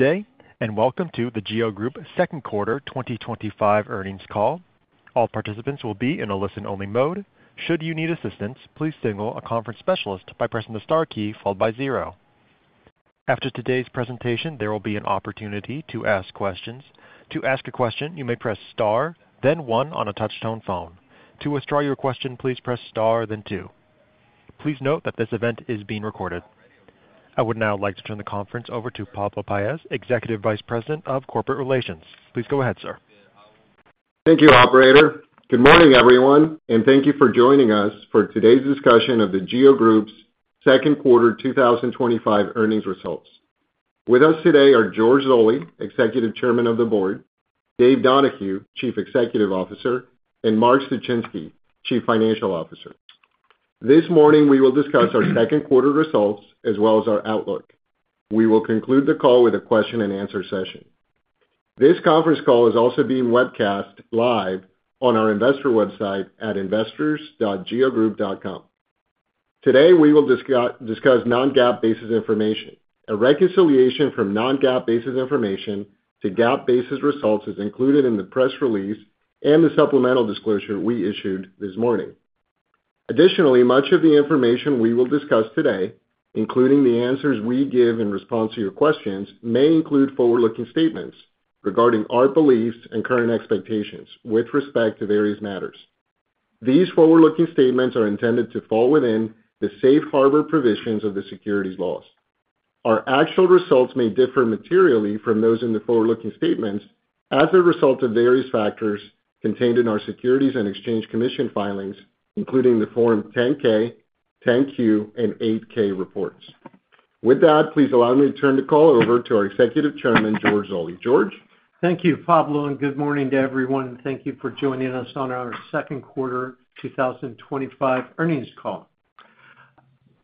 Today, and welcome to The GEO Group second quarter 2025 Earnings Call. All participants will be in a listen-only mode. Should you need assistance, please signal a conference specialist by pressing the star key followed by zero. After today's presentation, there will be an opportunity to ask questions. To ask a question, you may press star, then one on a touch-tone phone. To withdraw your question, please press star, then two. Please note that this event is being recorded. I would now like to turn the conference over to Pablo Paez, Executive Vice President of Corporate Relations. Please go ahead, sir. Thank you, Operator. Good morning, everyone, and thank you for joining us for today's discussion of The GEO Group's Second Quarter 2025 Earnings Results. With us today are George Zoley, Executive Chairman of the Board, David Donahue, Chief Executive Officer, and Mark Suchinski, Chief Financial Officer. This morning, we will discuss our second quarter results as well as our outlook. We will conclude the call with a question and answer session. This conference call is also being webcast live on our investor website at investors.geogroup.com. Today, we will discuss non-GAAP basis information. A reconciliation from non-GAAP basis information to GAAP basis results is included in the press release and the supplemental disclosure we issued this morning. Additionally, much of the information we will discuss today, including the answers we give in response to your questions, may include forward-looking statements regarding our beliefs and current expectations with respect to various matters. These forward-looking statements are intended to fall within the safe harbor provisions of the securities laws. Our actual results may differ materially from those in the forward-looking statements as a result of various factors contained in our Securities and Exchange Commission filings, including the Form 10-K, 10-Q, and 8-K reports. With that, please allow me to turn the call over to our Executive Chairman, George Zoley. Thank you, Pablo, and good morning to everyone, and thank you for joining us on our Second Quarter 2025 Earnings Call.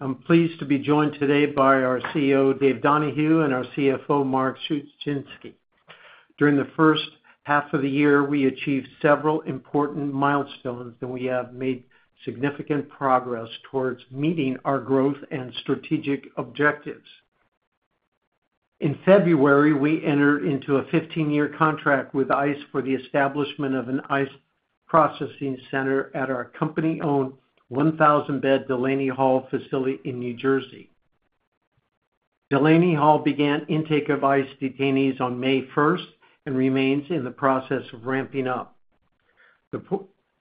I'm pleased to be joined today by our CEO, David Donahue, and our CFO, Mark Suchinski. During the first half of the year, we achieved several important milestones, and we have made significant progress towards meeting our growth and strategic objectives. In February, we entered into a 15-year contract with ICE for the establishment of an ICE processing center at our company-owned 1,000-bed Delaney Hall facility in New Jersey. Delaney Hall began intake of ICE detainees on May 1st and remains in the process of ramping up.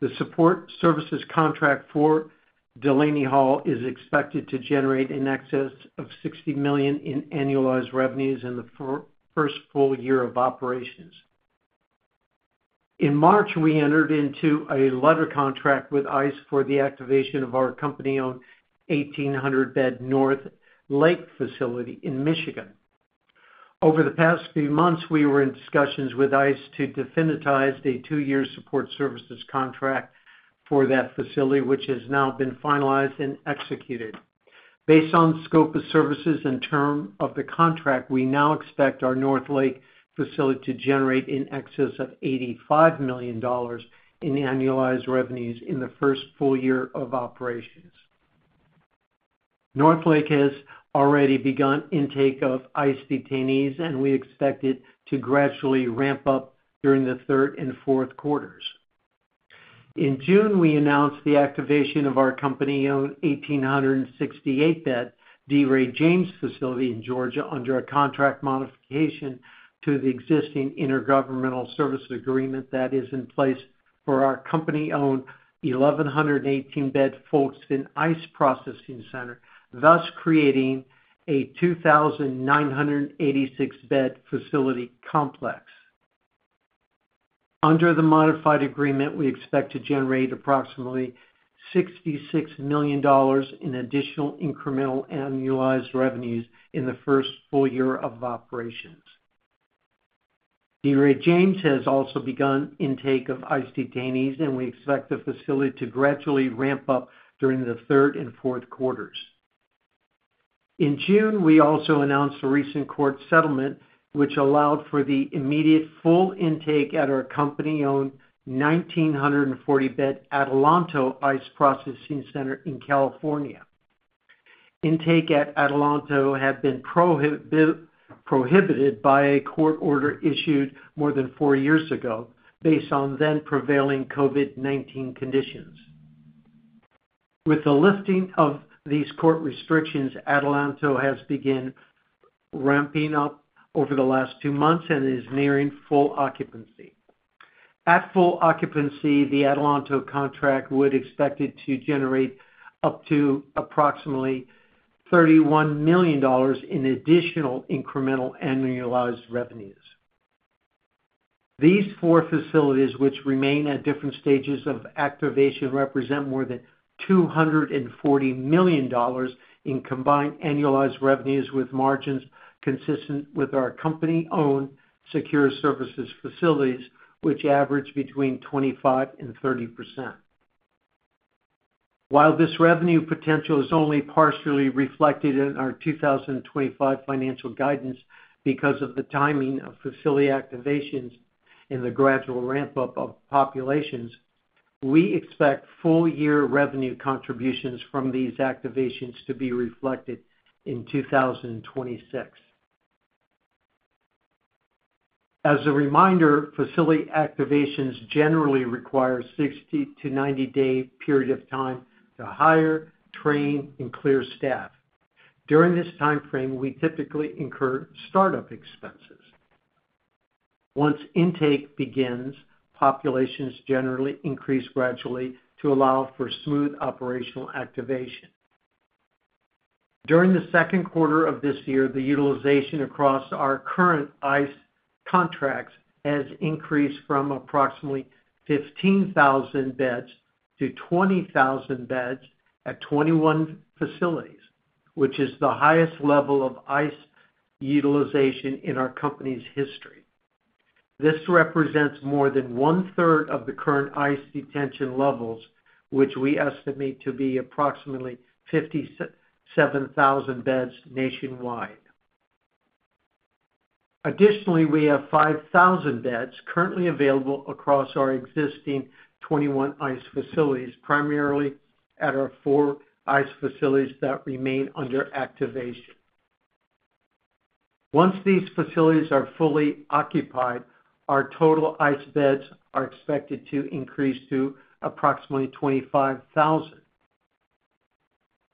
The support services contract for Delaney Hall is expected to generate in excess of $60 million in annualized revenue in the first full year of operations. In March, we entered into a letter contract with ICE for the activation of our company-owned 1,800-bed North Lake facility in Michigan. Over the past few months, we were in discussions with ICE to definitize a two-year support services contract for that facility, which has now been finalized and executed. Based on the scope of services and terms of the contract, we now expect our North Lake facility to generate in excess of $85 million in annualized revenue in the first full year of operations. North Lake has already begun intake of ICE detainees, and we expect it to gradually ramp up during the third and fourth quarters. In June, we announced the activation of our company-owned 1,868-bed D. Ray James facility in Georgia under a contract modification to the existing intergovernmental service agreement that is in place for our company-owned 1,118-bed Folkston ICE processing center, thus creating a 2,986-bed facility complex. Under the modified agreement, we expect to generate approximately $66 million in additional incremental annualized revenue in the first full year of operations. D. Ray James has also begun intake of ICE detainees, and we expect the facility to gradually ramp up during the third and fourth quarters. In June, we also announced a recent court settlement, which allowed for the immediate full intake at our company-owned 1,940-bed Adelanto ICE processing center in California. Intake at Adelanto had been prohibited by a court order issued more than four years ago based on then prevailing COVID-19 conditions. With the lifting of these court restrictions, Adelanto has begun ramping up over the last two months and is nearing full occupancy. At full occupancy, the Adelanto contract would expect it to generate up to approximately $31 million in additional incremental annualized revenues. These four facilities, which remain at different stages of activation, represent more than $240 million in combined annualized revenues with margins consistent with our company-owned secure services facilities, which average between 25% and 30%. While this revenue potential is only partially reflected in our 2025 financial guidance because of the timing of facility activations and the gradual ramp-up of populations, we expect full-year revenue contributions from these activations to be reflected in 2026. As a reminder, facility activations generally require a 60-90-day period of time to hire, train, and clear staff. During this timeframe, we typically incur startup expenses. Once intake begins, populations generally increase gradually to allow for smooth operational activation. During the second quarter of this year, the utilization across our current ICE contracts has increased from approximately 15,000 beds-20,000 beds at 21 facilities, which is the highest level of ICE utilization in our company's history. This represents more than one-third of the current ICE detention levels, which we estimate to be approximately 57,000 beds nationwide. Additionally, we have 5,000 beds currently available across our existing 21 ICE facilities, primarily at our four ICE facilities that remain under activation. Once these facilities are fully occupied, our total ICE beds are expected to increase to approximately 25,000.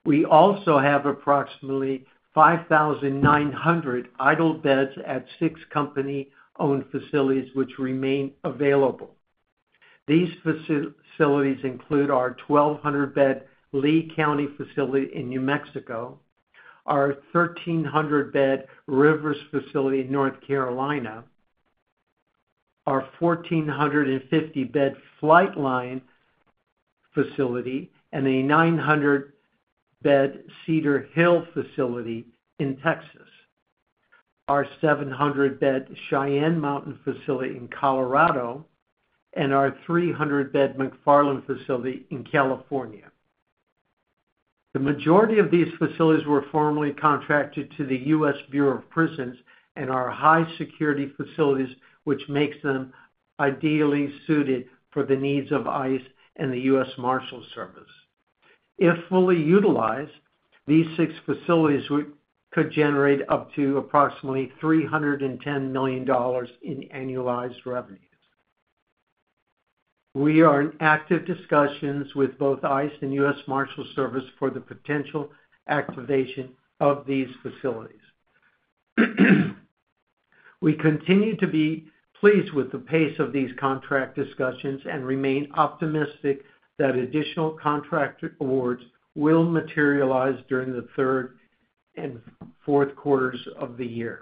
We also have approximately 5,900 idle beds at six company-owned facilities which remain available. These facilities include our 1,200-bed Lee County facility in New Mexico, our 1,300-bed Rivers facility in North Carolina, our 1,450-bed Flight Line facility, a 900-bed Cedar Hill facility in Texas, our 700-bed Cheyenne Mountain facility in Colorado, and our 300-bed McFarland facility in California. The majority of these facilities were formerly contracted to the U.S. Bureau of Prisons and are high-security facilities, which makes them ideally suited for the needs of ICE and the U.S. Marshals Service. If fully utilized, these six facilities could generate up to approximately $310 million in annualized revenues. We are in active discussions with both ICE and the U.S. Marshals Service for the potential activation of these facilities. We continue to be pleased with the pace of these contract discussions and remain optimistic that additional contract awards will materialize during the third and fourth quarters of the year.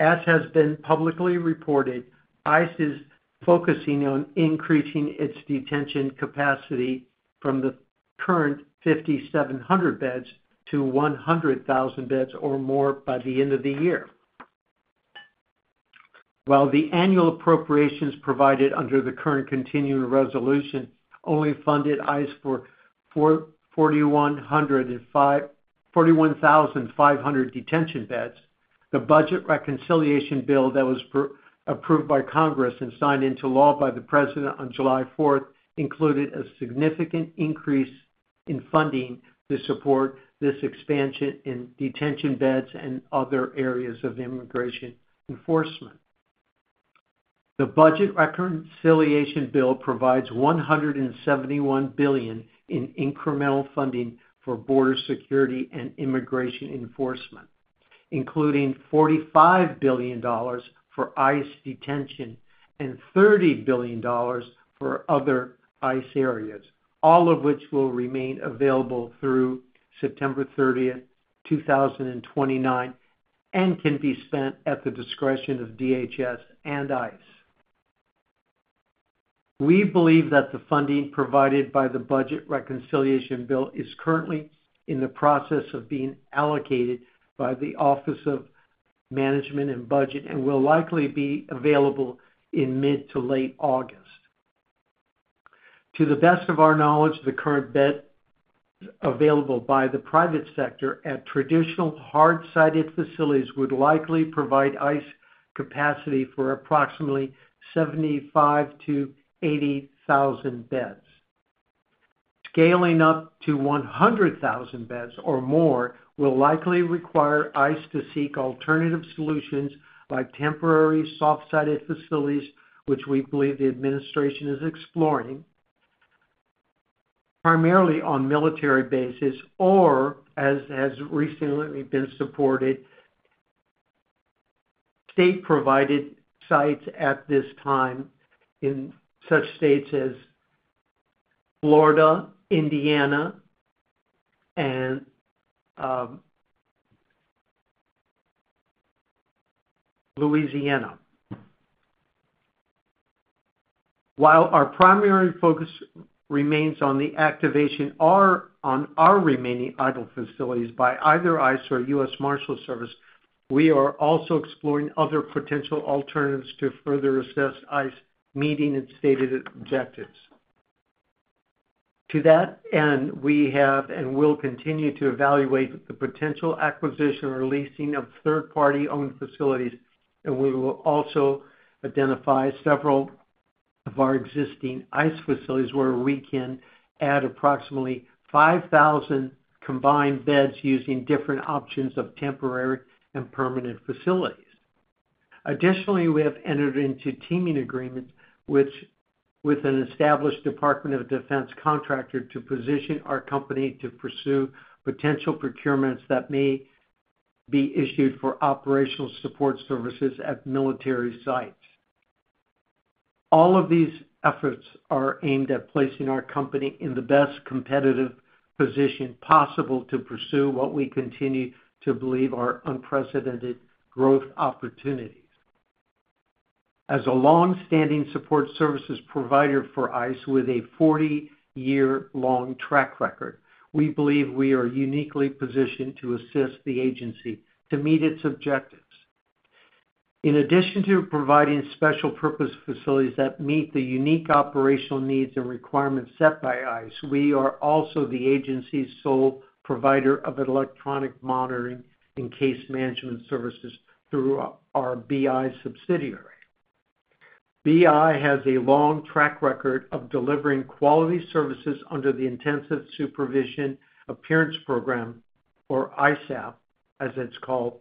As has been publicly reported, ICE is focusing on increasing its detention capacity from the current 5,700 beds to 100,000 beds or more by the end of the year. While the annual appropriations provided under the current continuing resolution only funded ICE for 41,500 detention beds, the budget reconciliation bill that was approved by Congress and signed into law by the President on July 4 included a significant increase in funding to support this expansion in detention beds and other areas of immigration enforcement. The budget reconciliation bill provides $171 billion in incremental funding for border security and immigration enforcement, including $45 billion for ICE detention and $30 billion for other ICE areas, all of which will remain available through September 30th, 2029, and can be spent at the discretion of DHS and ICE. We believe that the funding provided by the budget reconciliation bill is currently in the process of being allocated by the Office of Management and Budget and will likely be available in mid to late August. To the best of our knowledge, the current beds available by the private sector at traditional hard-sided facilities would likely provide ICE capacity for approximately 75,000-80,000 beds. Scaling up to 100,000 beds or more will likely require ICE to seek alternative solutions like temporary soft-sided facilities, which we believe the administration is exploring primarily on a military basis or, as has recently been supported, state-provided sites at this time in such states as Florida, Indiana, and Louisiana. While our primary focus remains on the activation or on our remaining idle facilities by either ICE or U.S. Marshals Service, we are also exploring other potential alternatives to further assess ICE meeting its stated objectives. To that end, we have and will continue to evaluate the potential acquisition or leasing of third-party-owned facilities, and we will also identify several of our existing ICE facilities where we can add approximately 5,000 combined beds using different options of temporary and permanent facilities. Additionally, we have entered into teaming agreements with an established Department of Defense contractor to position our company to pursue potential procurements that may be issued for operational support services at military sites. All of these efforts are aimed at placing our company in the best competitive position possible to pursue what we continue to believe are unprecedented growth opportunities. As a longstanding support services provider for ICE with a 40-year-long track record, we believe we are uniquely positioned to assist the agency to meet its objectives. In addition to providing special purpose facilities that meet the unique operational needs and requirements set by ICE, we are also the agency's sole provider of electronic monitoring and case management services through our BI Inc. subsidiary. BI Inc. has a long track record of delivering quality services under the Intensive Supervision Appearance Program, or ISAP, as it's called,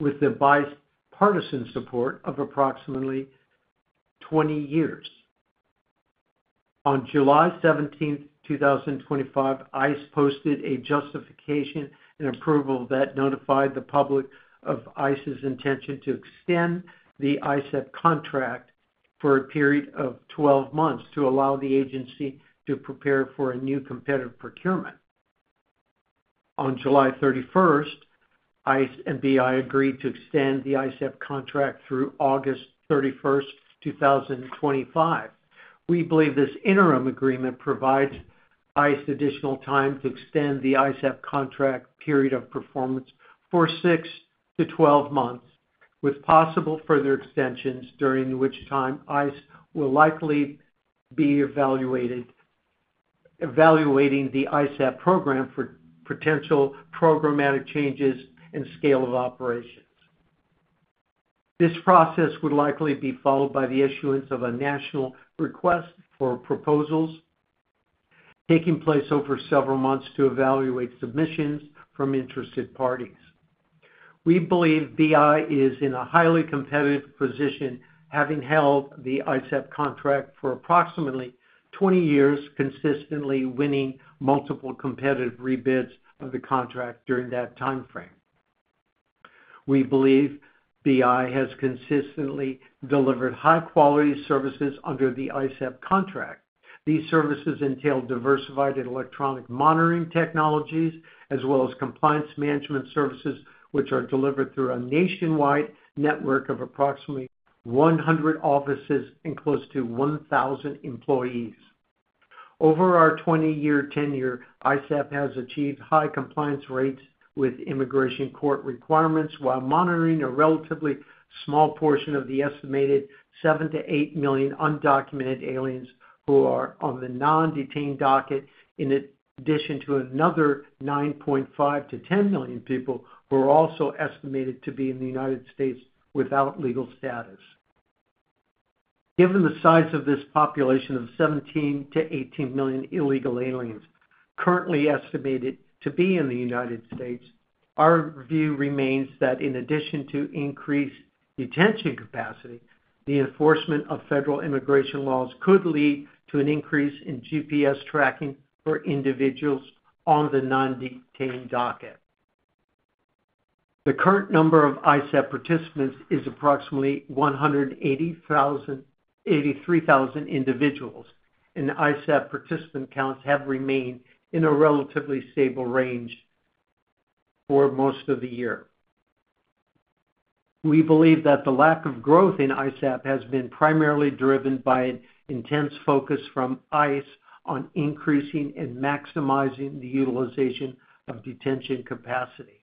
with the bipartisan support of approximately 20 years. On July 17, 2025, ICE posted a justification and approval that notified the public of ICE's intention to extend the ISAP contract for a period of 12 months to allow the agency to prepare for a new competitive procurement. On July 31st, ICE and BI Inc. agreed to extend the ISAP contract through August 31, 2025. We believe this interim agreement provides ICE additional time to extend the ISAP contract period of performance for 6-12 months, with possible further extensions, during which time ICE will likely be evaluating the ISAP program for potential programmatic changes and scale of operations. This process would likely be followed by the issuance of a national request for proposals, taking place over several months to evaluate submissions from interested parties. We believe BI is in a highly competitive position, having held the ISAP contract for approximately 20 years, consistently winning multiple competitive rebids of the contract during that timeframe. We believe BI has consistently delivered high-quality services under the ISAP contract. These services entail diversified electronic monitoring technologies as well as compliance management services, which are delivered through a nationwide network of approximately 100 offices and close to 1,000 employees. Over our 20-year tenure, ISAP has achieved high compliance rates with immigration court requirements while monitoring a relatively small portion of the estimated 7 million-8 million undocumented aliens who are on the non-detained docket, in addition to another 9.5 million-10 million people who are also estimated to be in the United States without legal status. Given the size of this population of 17 million-18 million illegal aliens currently estimated to be in the United States, our view remains that in addition to increased detention capacity, the enforcement of federal immigration laws could lead to an increase in GPS tracking for individuals on the non-detained docket. The current number of ISAP participants is approximately 183,000 individuals, and ISAP participant counts have remained in a relatively stable range for most of the year. We believe that the lack of growth in ISAP has been primarily driven by an intense focus from ICE on increasing and maximizing the utilization of detention capacity.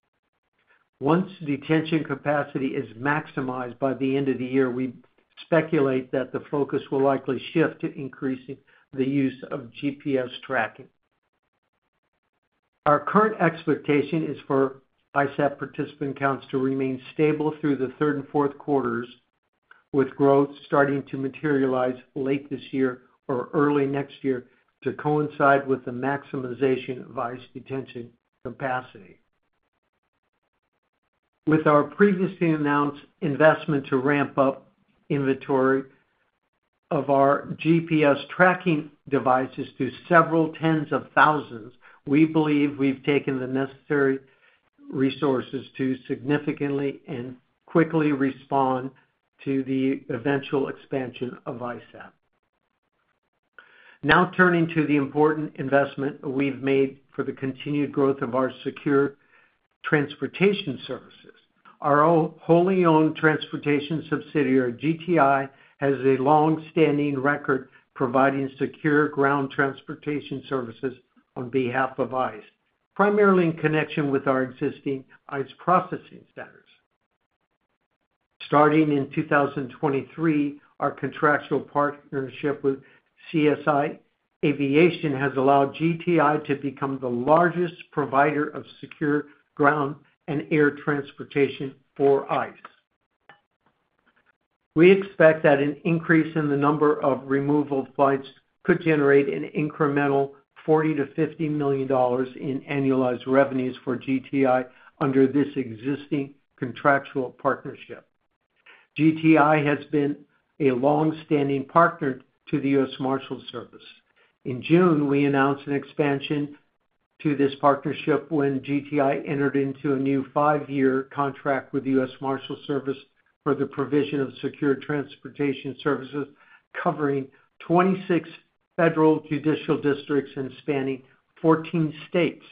Once detention capacity is maximized by the end of the year, we speculate that the focus will likely shift to increasing the use of GPS tracking. Our current expectation is for ISAP participant counts to remain stable through the third and fourth quarters, with growth starting to materialize late this year or early next year to coincide with the maximization of ICE detention capacity. With our previously announced investment to ramp up inventory of our GPS tracking devices to several tens of thousands, we believe we've taken the necessary resources to significantly and quickly respond to the eventual expansion of ISAP. Now turning to the important investment we've made for the continued growth of our secure transportation services. Our wholly owned transportation subsidiary, GTI, has a longstanding record providing secure ground transportation services on behalf of ICE, primarily in connection with our existing ICE processing centers. Starting in 2023, our contractual partnership with CSI Aviation has allowed GTI to become the largest provider of secure ground and air transportation for ICE. We expect that an increase in the number of removal flights could generate an incremental $40 million-$50 million in annualized revenues for GTI under this existing contractual partnership. GTI has been a longstanding partner to the U.S. Marshals Service. In June, we announced an expansion to this partnership when GTI entered into a new five-year contract with the U.S. Marshals Service for the provision of secure transportation services covering 26 federal judicial districts and spanning 14 states.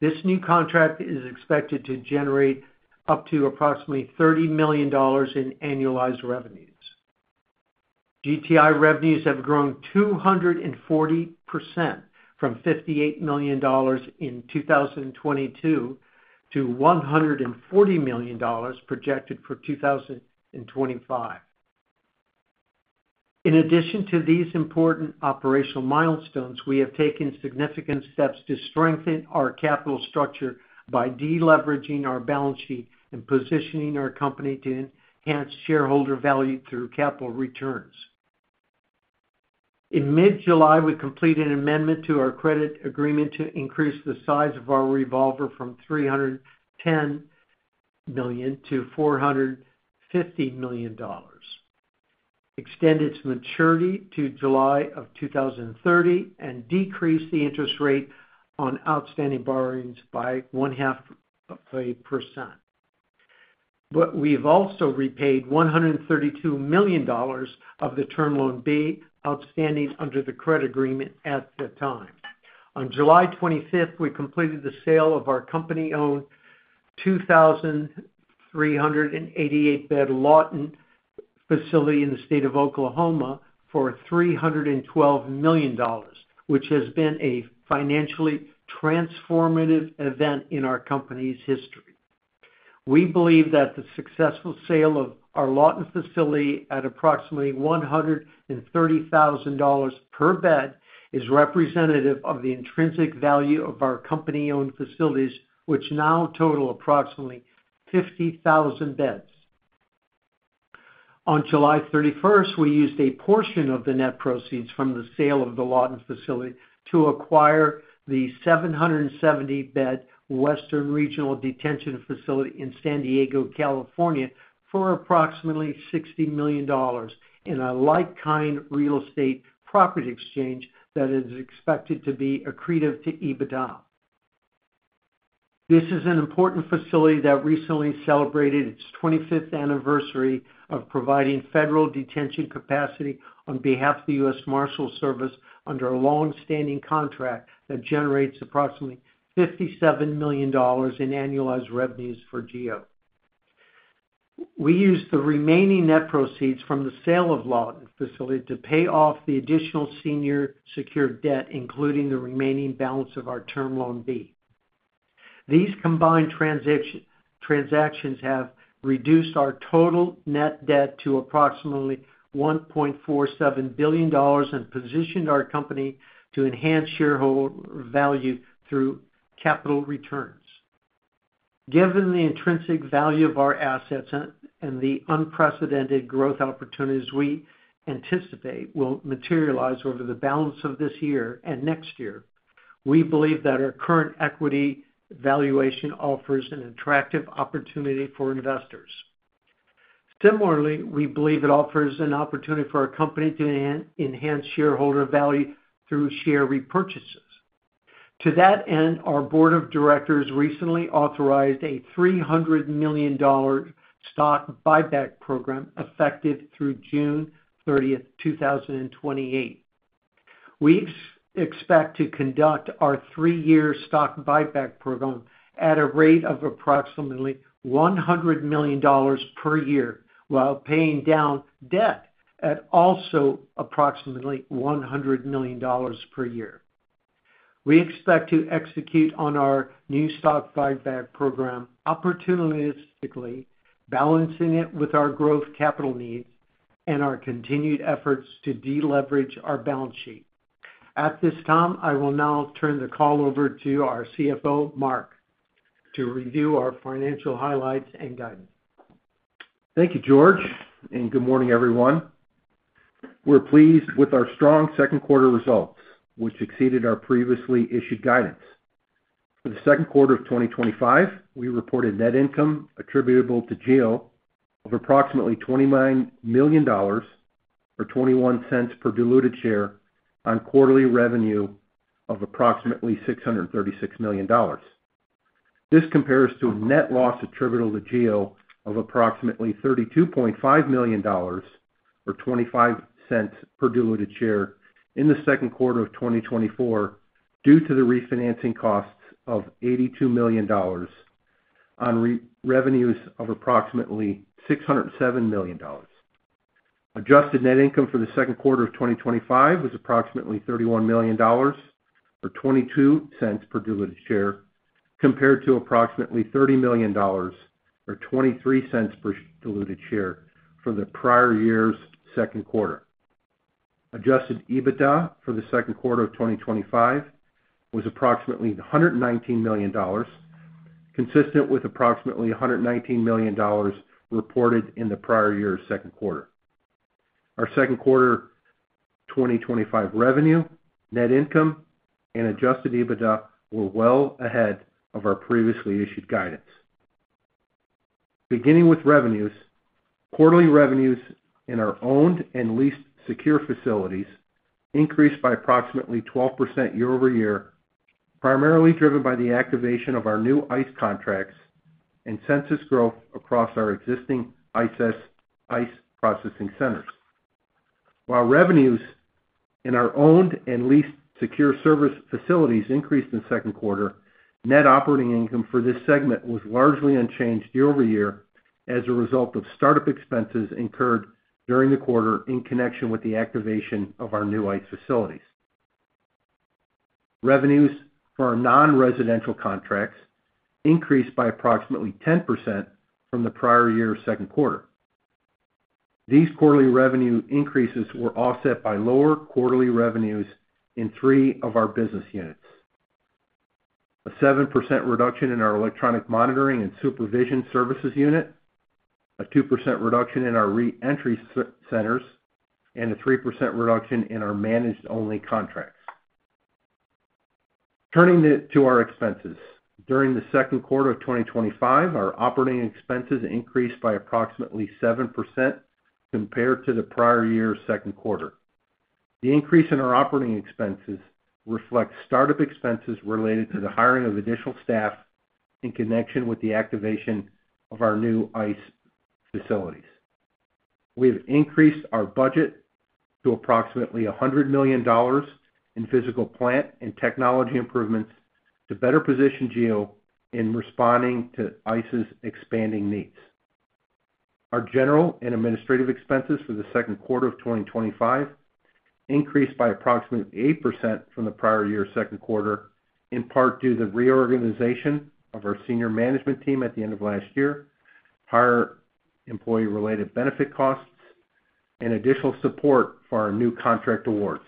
This new contract is expected to generate up to approximately $30 million in annualized revenues. GTI revenues have grown 240% from $58 million in 2022 to $140 million projected for 2025. In addition to these important operational milestones, we have taken significant steps to strengthen our capital structure by deleveraging our balance sheet and positioning our company to enhance shareholder value through capital returns. In mid-July, we completed an amendment to our credit agreement to increase the size of our revolver from $310 million-$450 million, extend its maturity to July of 2030, and decrease the interest rate on outstanding borrowings by 0.5%. We've also repaid $132 million of the term loan B outstanding under the credit agreement at the time. On July 25, we completed the sale of our company-owned 2,388-bed Lawton facility in the state of Oklahoma for $312 million, which has been a financially transformative event in our company's history. We believe that the successful sale of our Lawton facility at approximately $130,000/bed is representative of the intrinsic value of our company-owned facilities, which now total approximately 50,000 beds. On July 31, we used a portion of the net proceeds from the sale of the Lawton facility to acquire the 770-bed Western Region Detention Facility in San Diego, California, for approximately $60 million in a like-kind real estate property exchange that is expected to be accretive to EBITDA. This is an important facility that recently celebrated its 25th anniversary of providing federal detention capacity on behalf of the U.S. Marshals Service under a longstanding contract that generates approximately $57 million in annualized revenues for GEO. We used the remaining net proceeds from the sale of the Lawton facility to pay off additional senior secured debt, including the remaining balance of our term loan B. These combined transactions have reduced our total net debt to approximately $1.47 billion and positioned our company to enhance shareholder value through capital returns. Given the intrinsic value of our assets and the unprecedented growth opportunities we anticipate will materialize over the balance of this year and next year, we believe that our current equity valuation offers an attractive opportunity for investors. Similarly, we believe it offers an opportunity for our company to enhance shareholder value through share repurchases. To that end, our Board of Directors recently authorized a $300 million stock buyback program effective through June 30, 2028. We expect to conduct our three-year stock buyback program at a rate of approximately $100 million/year while paying down debt at also approximately $100 million/year. We expect to execute on our new stock buyback program opportunistically, balancing it with our growth capital needs and our continued efforts to deleverage our balance sheet. At this time, I will now turn the call over to our CFO, Mark, to review our financial highlights and guidance. Thank you, George, and good morning, everyone. We're pleased with our strong second quarter results, which exceeded our previously issued guidance. For the second quarter of 2025, we reported net income attributable to GEO of approximately $29 million or $0.21/diluted share on quarterly revenue of approximately $636 million. This compares to a net loss attributable to GEO of approximately $32.5 million or $0.25/diluted share in the second quarter of 2024 due to the refinancing costs of $82 million on revenues of approximately $607 million. Adjusted net income for the second quarter of 2025 was approximately $31 million or $0.22/diluted share compared to approximately $30 million or $0.23/diluted share for the prior year's second quarter. Adjusted EBITDA for the second quarter of 2025 was approximately $119 million, consistent with approximately $119 million reported in the prior year's second quarter. Our second quarter 2025 revenue, net income, and adjusted EBITDA were well ahead of our previously issued guidance. Beginning with revenues, quarterly revenues in our owned and leased secure facilities increased by approximately 12% year-over-year, primarily driven by the activation of our new ICE contracts and census growth across our existing ICE processing centers. While revenues in our owned and leased secure service facilities increased in the second quarter, net operating income for this segment was largely unchanged year-over-year as a result of startup expenses incurred during the quarter in connection with the activation of our new ICE facilities. Revenues for our non-residential contracts increased by approximately 10% from the prior year's second quarter. These quarterly revenue increases were offset by lower quarterly revenues in three of our business units: a 7% reduction in our electronic monitoring and supervision services unit, a 2% reduction in our reentry centers, and a 3% reduction in our managed-only contracts. Turning to our expenses, during the second quarter of 2025, our operating expenses increased by approximately 7% compared to the prior year's second quarter. The increase in our operating expenses reflects startup expenses related to the hiring of additional staff in connection with the activation of our new ICE facilities. We have increased our budget to approximately $100 million in physical plant and technology improvements to better position GEO in responding to ICE's expanding needs. Our general and administrative expenses for the second quarter of 2025 increased by approximately 8% from the prior year's second quarter in part due to the reorganization of our Senior Management Team at the end of last year, higher employee-related benefit costs, and additional support for our new contract awards.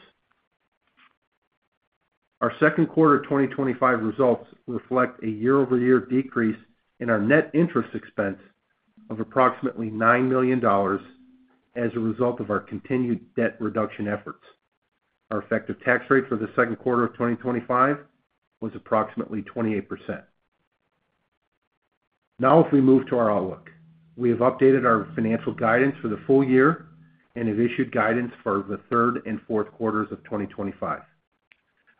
Our second quarter 2025 results reflect a year-over-year decrease in our net interest expense of approximately $9 million as a result of our continued debt reduction efforts. Our effective tax rate for the second quarter of 2025 was approximately 28%. Now, as we move to our outlook, we have updated our financial guidance for the full year and have issued guidance for the third and fourth quarters of 2025.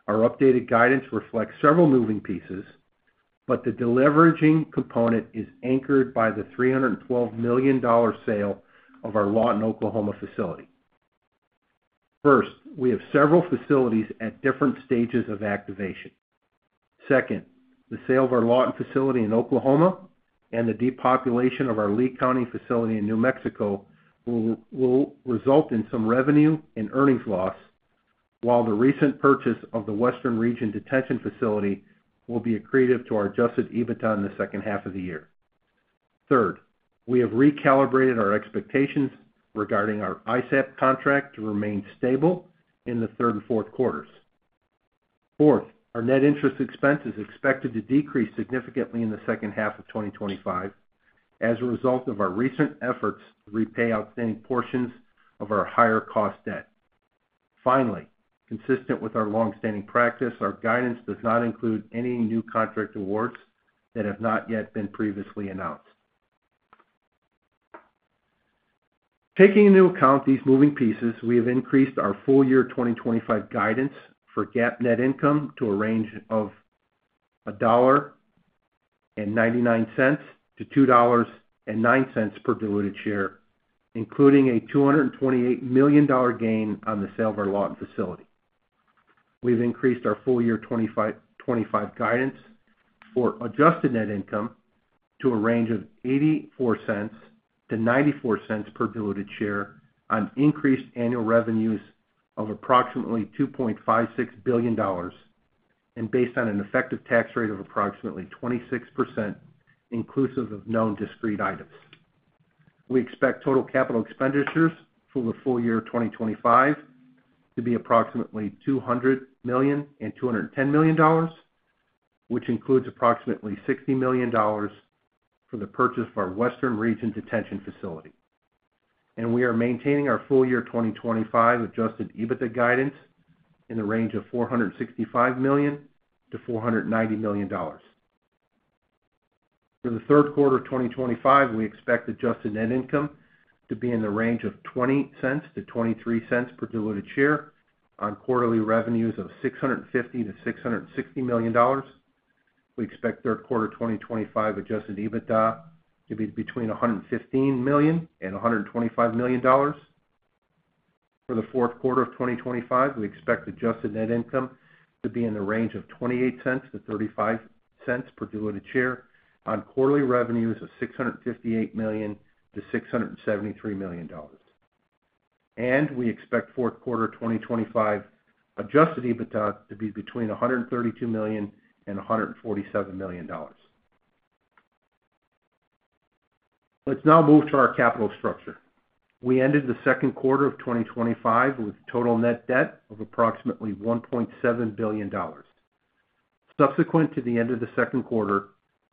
Our updated guidance reflects several moving pieces, but the deleveraging component is anchored by the $312 million sale of our Lawton, Oklahoma facility. First, we have several facilities at different stages of activation. Second, the sale of our Lawton facility in Oklahoma and the depopulation of our Lee County facility in New Mexico will result in some revenue and earnings loss, while the recent purchase of the Western Region Detention Facility will be accretive to our adjusted EBITDA in the second half of the year. Third, we have recalibrated our expectations regarding our ISAP contract to remain stable in the third and fourth quarters. Fourth, our net interest expense is expected to decrease significantly in the second half of 2025 as a result of our recent efforts to repay outstanding portions of our higher-cost debt. Finally, consistent with our longstanding practice, our guidance does not include any new contract awards that have not yet been previously announced. Taking into account these moving pieces, we have increased our full-year 2025 guidance for GAAP net income to a range of $1.99-$2.09/diluted share, including a $228 million gain on the sale of our Lawton facility. We've increased our full-year 2025 guidance for adjusted net income to a range of $0.84-$0.94 per diluted share on increased annual revenues of approximately $2.56 billion and based on an effective tax rate of approximately 26%, inclusive of known discrete items. We expect total capital expenditures for the full year 2025 to be approximately $200 million and $210 million, which includes approximately $60 million for the purchase of our Western Region Detention Facility. We are maintaining our full-year 2025 adjusted EBITDA guidance in the range of $465 million-$490 million. For the third quarter of 2025, we expect adjusted net income to be in the range of $0.20-$0.23/diluted share on quarterly revenues of $650 million-$660 million. We expect third quarter 2025 adjusted EBITDA to be between $115 million and $125 million. For the fourth quarter of 2025, we expect adjusted net income to be in the range of $0.28-$0.35/diluted share on quarterly revenues of $658 million-$673 million. We expect fourth quarter 2025 adjusted EBITDA to be between $132 million and $147 million. Let's now move to our capital structure. We ended the second quarter of 2025 with a total net debt of approximately $1.7 billion. Subsequent to the end of the second quarter,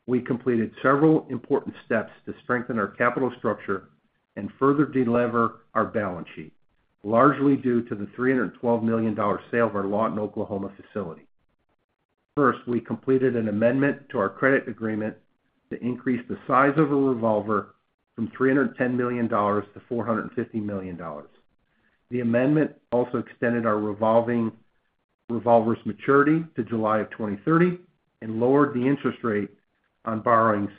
we completed several important steps to strengthen our capital structure and further delever our balance sheet, largely due to the $312 million sale of our Lawton, Oklahoma facility. First, we completed an amendment to our credit agreement to increase the size of our revolver from $310 million-$450 million. The amendment also extended our revolver's maturity to July of 2030 and lowered the interest rate on borrowings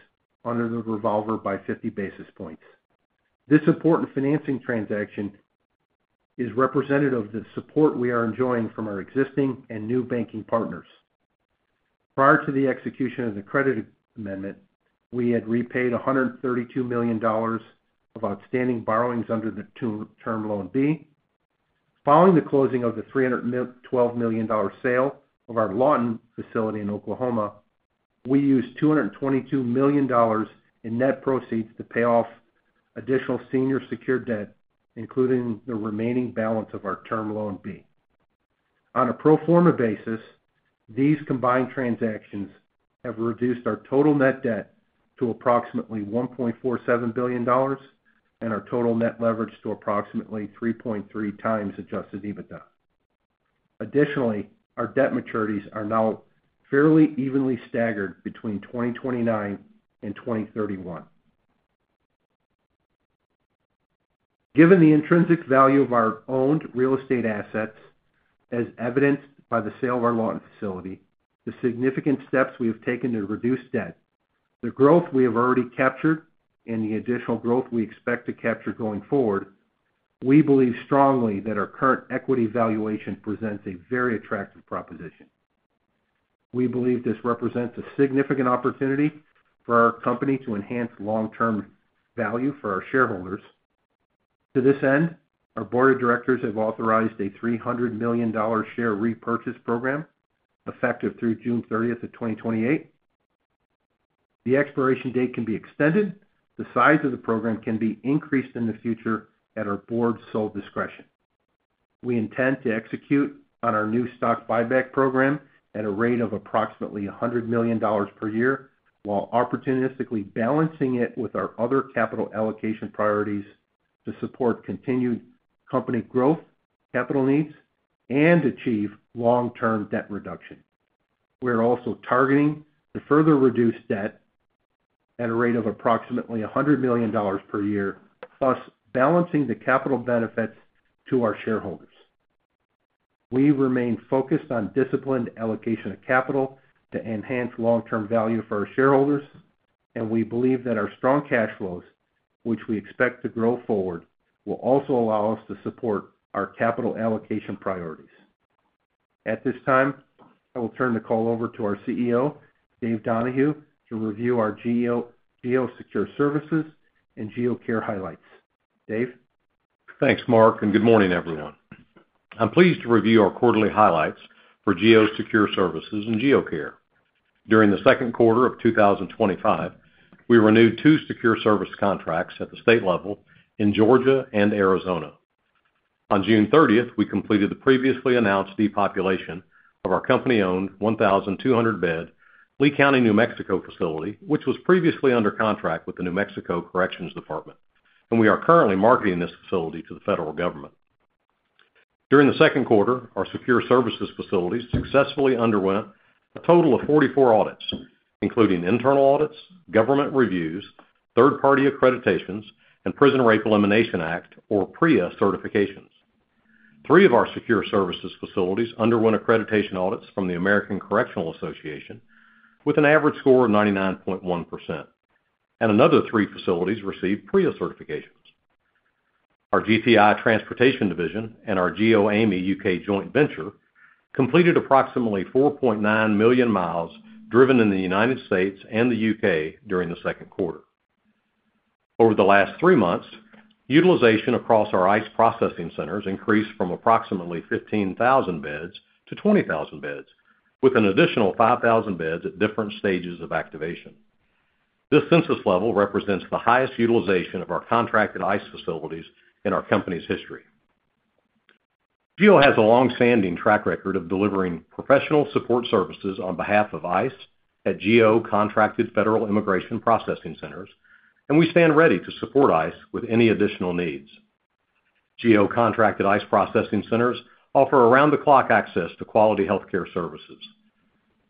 under the revolver by 50 basis points. This important financing transaction is representative of the support we are enjoying from our existing and new banking partners. Prior to the execution of the credit amendment, we had repaid $132 million of outstanding borrowings under the term loan B. Following the closing of the $312 million sale of our Lawton facility in Oklahoma, we used $222 million in net proceeds to pay off additional senior secured debt, including the remaining balance of our term loan B. On a pro forma basis, these combined transactions have reduced our total net debt to approximately $1.47 billion and our total net leverage to approximately 3.3x adjusted EBITDA. Additionally, our debt maturities are now fairly evenly staggered between 2029 and 2031. Given the intrinsic value of our owned real estate assets, as evidenced by the sale of our Lawton facility, the significant steps we have taken to reduce debt, the growth we have already captured, and the additional growth we expect to capture going forward, we believe strongly that our current equity valuation presents a very attractive proposition. We believe this represents a significant opportunity for our company to enhance long-term value for our shareholders. To this end, our Board of Directors has authorized a $300 million share repurchase program effective through June 30, 2028. The expiration date can be extended. The size of the program can be increased in the future at our Board's sole discretion. We intend to execute on our new stock buyback program at a rate of approximately $100 million/year, while opportunistically balancing it with our other capital allocation priorities to support continued company growth, capital needs, and achieve long-term debt reduction. We're also targeting to further reduce debt at a rate of approximately $100 million/year, plus balancing the capital benefits to our shareholders. We remain focused on disciplined allocation of capital to enhance long-term value for our shareholders, and we believe that our strong cash flows, which we expect to grow forward, will also allow us to support our capital allocation priorities. At this time, I will turn the call over to our CEO, David Donahue, to review our GEO Secure Services and GEO Care highlights. Dave. Thanks, Mark, and good morning, everyone. I'm pleased to review our quarterly highlights for GEO Secure Services and GEO Care. During the second quarter of 2025, we renewed two secure service contracts at the state level in Georgia and Arizona. On June 30, we completed the previously announced depopulation of our company-owned 1,200-bed Lee County, New Mexico facility, which was previously under contract with the New Mexico Corrections Department, and we are currently marketing this facility to the federal government. During the second quarter, our secure services facilities successfully underwent a total of 44 audits, including internal audits, government reviews, third-party accreditations, and Prison Rape Elimination Act, or PREA, certifications. Three of our secure services facilities underwent accreditation audits from the American Correctional Association with an average score of 99.1%, and another three facilities received PREA certifications. Our GTI Transportation Division and our GEOAmey U.K. joint venture completed approximately 4.9 million mi driven in the United States and the U.K. during the second quarter. Over the last three months, utilization across our ICE processing centers increased from approximately 15,000 beds-20,000 beds, with an additional 5,000 beds at different stages of activation. This census level represents the highest utilization of our contracted ICE facilities in our company's history. GEO has a longstanding track record of delivering professional support services on behalf of ICE at GEO contracted federal immigration processing centers, and we stand ready to support ICE with any additional needs. GEO contracted ICE processing centers offer around-the-clock access to quality healthcare services.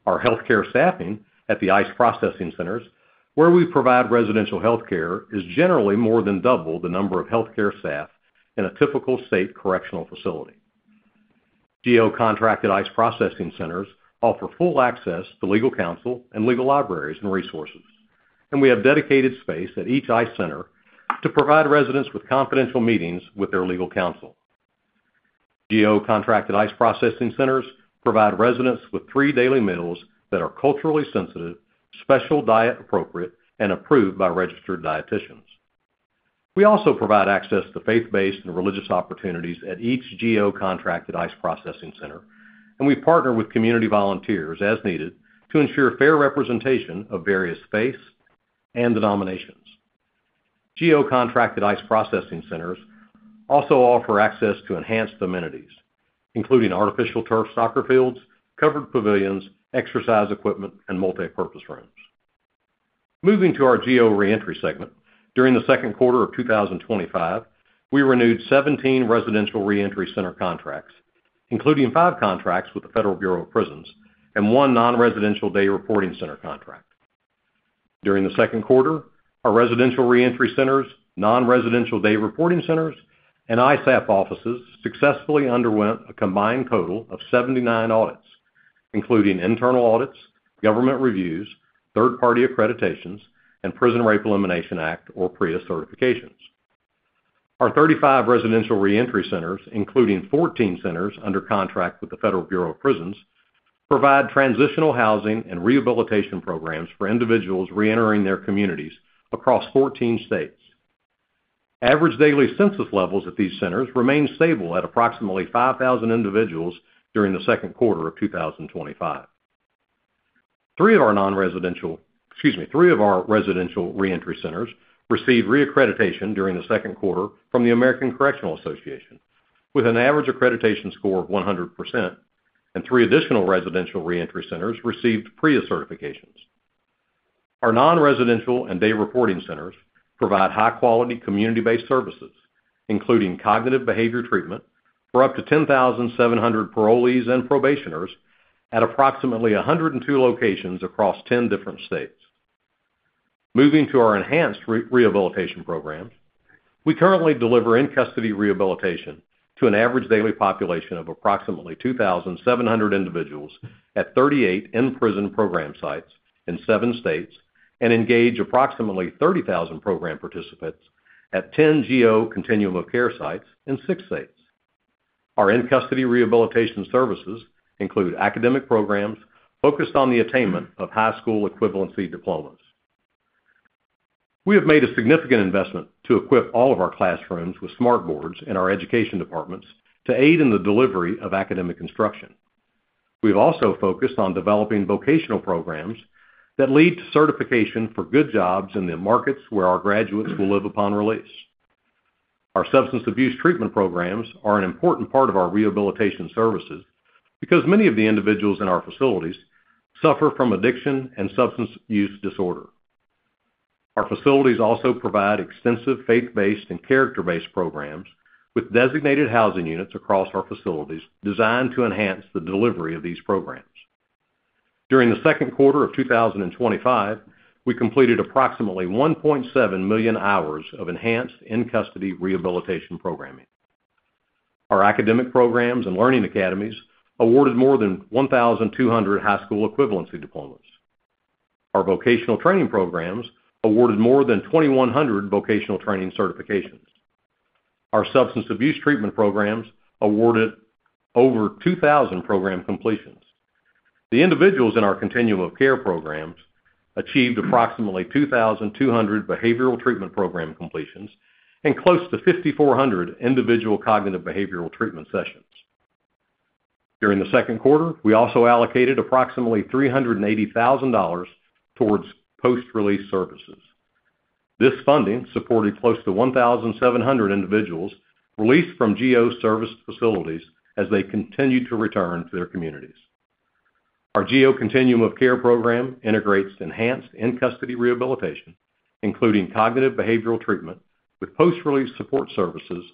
Our healthcare staffing at the ICE processing centers, where we provide residential healthcare, is generally more than double the number of healthcare staff in a typical state correctional facility. GEO contracted ICE processing centers offer full access to legal counsel and legal libraries and resources, and we have dedicated space at each ICE center to provide residents with confidential meetings with their legal counsel. GEO contracted ICE processing centers provide residents with three daily meals that are culturally sensitive, special diet-appropriate, and approved by registered dietitians. We also provide access to faith-based and religious opportunities at each GEO contracted ICE processing center, and we partner with community volunteers as needed to ensure fair representation of various faiths and denominations. GEO contracted ICE processing centers also offer access to enhanced amenities, including artificial turf soccer fields, covered pavilions, exercise equipment, and multipurpose rooms. Moving to our GEO reentry segment, during the second quarter of 2025, we renewed 17 residential reentry center contracts, including five contracts with the Federal Bureau of Prisons and one non-residential day reporting center contract. During the second quarter, our residential reentry centers, non-residential day reporting centers, and ISAP offices successfully underwent a combined total of 79 audits, including internal audits, government reviews, third-party accreditations, and Prison Rape Elimination Act, or PREA, certifications. Our 35 residential reentry centers, including 14 centers under contract with the Federal Bureau of Prisons, provide transitional housing and rehabilitation programs for individuals reentering their communities across 14 states. Average daily census levels at these centers remain stable at approximately 5,000 individuals during the second quarter of 2025. Three of our residential reentry centers received reaccreditation during the second quarter from the American Correctional Association, with an average accreditation score of 100%, and three additional residential reentry centers received PREA certifications. Our non-residential and day reporting centers provide high-quality community-based services, including cognitive behavior treatment, for up to 10,700 parolees and probationers at approximately 102 locations across 10 different states. Moving to our enhanced rehabilitation programs, we currently deliver in-custody rehabilitation to an average daily population of approximately 2,700 individuals at 38 in-prison program sites in seven states and engage approximately 30,000 program participants at 10 GEO continuum of care sites in six states. Our in-custody rehabilitation services include academic programs focused on the attainment of high school equivalency diplomas. We have made a significant investment to equip all of our classrooms with smartboards in our education departments to aid in the delivery of academic instruction. We've also focused on developing vocational programs that lead to certification for good jobs in the markets where our graduates will live upon release. Our substance abuse treatment programs are an important part of our rehabilitation services because many of the individuals in our facilities suffer from addiction and substance use disorder. Our facilities also provide extensive faith-based and character-based programs with designated housing units across our facilities designed to enhance the delivery of these programs. During the second quarter of 2025, we completed approximately 1.7 million hours of enhanced in-custody rehabilitation programming. Our academic programs and learning academies awarded more than 1,200 high school equivalency diplomas. Our vocational training programs awarded more than 2,100 vocational training certifications. Our substance abuse treatment programs awarded over 2,000 program completions. The individuals in our continuum of care programs achieved approximately 2,200 behavioral treatment program completions and close to 5,400 individual cognitive behavioral treatment sessions. During the second quarter, we also allocated approximately $380,000 towards post-release services. This funding supported close to 1,700 individuals released from GEO service facilities as they continued to return to their communities. Our GEO Continuum of Care program integrates enhanced in-custody rehabilitation, including cognitive behavioral treatment, with post-release support services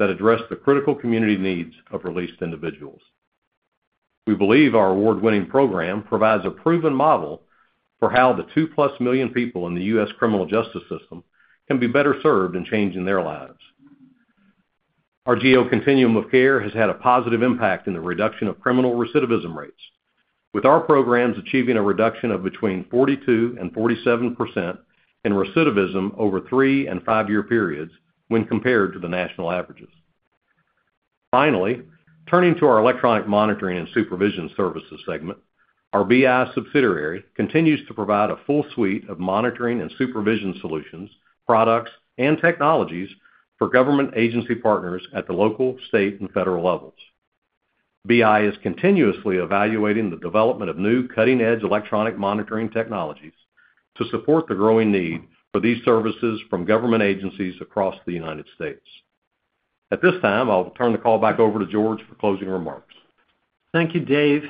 that address the critical community needs of released individuals. We believe our award-winning program provides a proven model for how the 2+ million people in the U.S. criminal justice system can be better served in changing their lives. Our GEO Continuum of Care has had a positive impact in the reduction of criminal recidivism rates, with our programs achieving a reduction of between 42% and 47% in recidivism over three and five-year periods when compared to the national averages. Finally, turning to our electronic monitoring and supervision services segment, our BI subsidiary continues to provide a full suite of monitoring and supervision solutions, products, and technologies for government agency partners at the local, state, and federal levels. BI is continuously evaluating the development of new cutting-edge electronic monitoring technologies to support the growing need for these services from government agencies across the United States. At this time, I will turn the call back over to George for closing remarks. Thank you, Dave.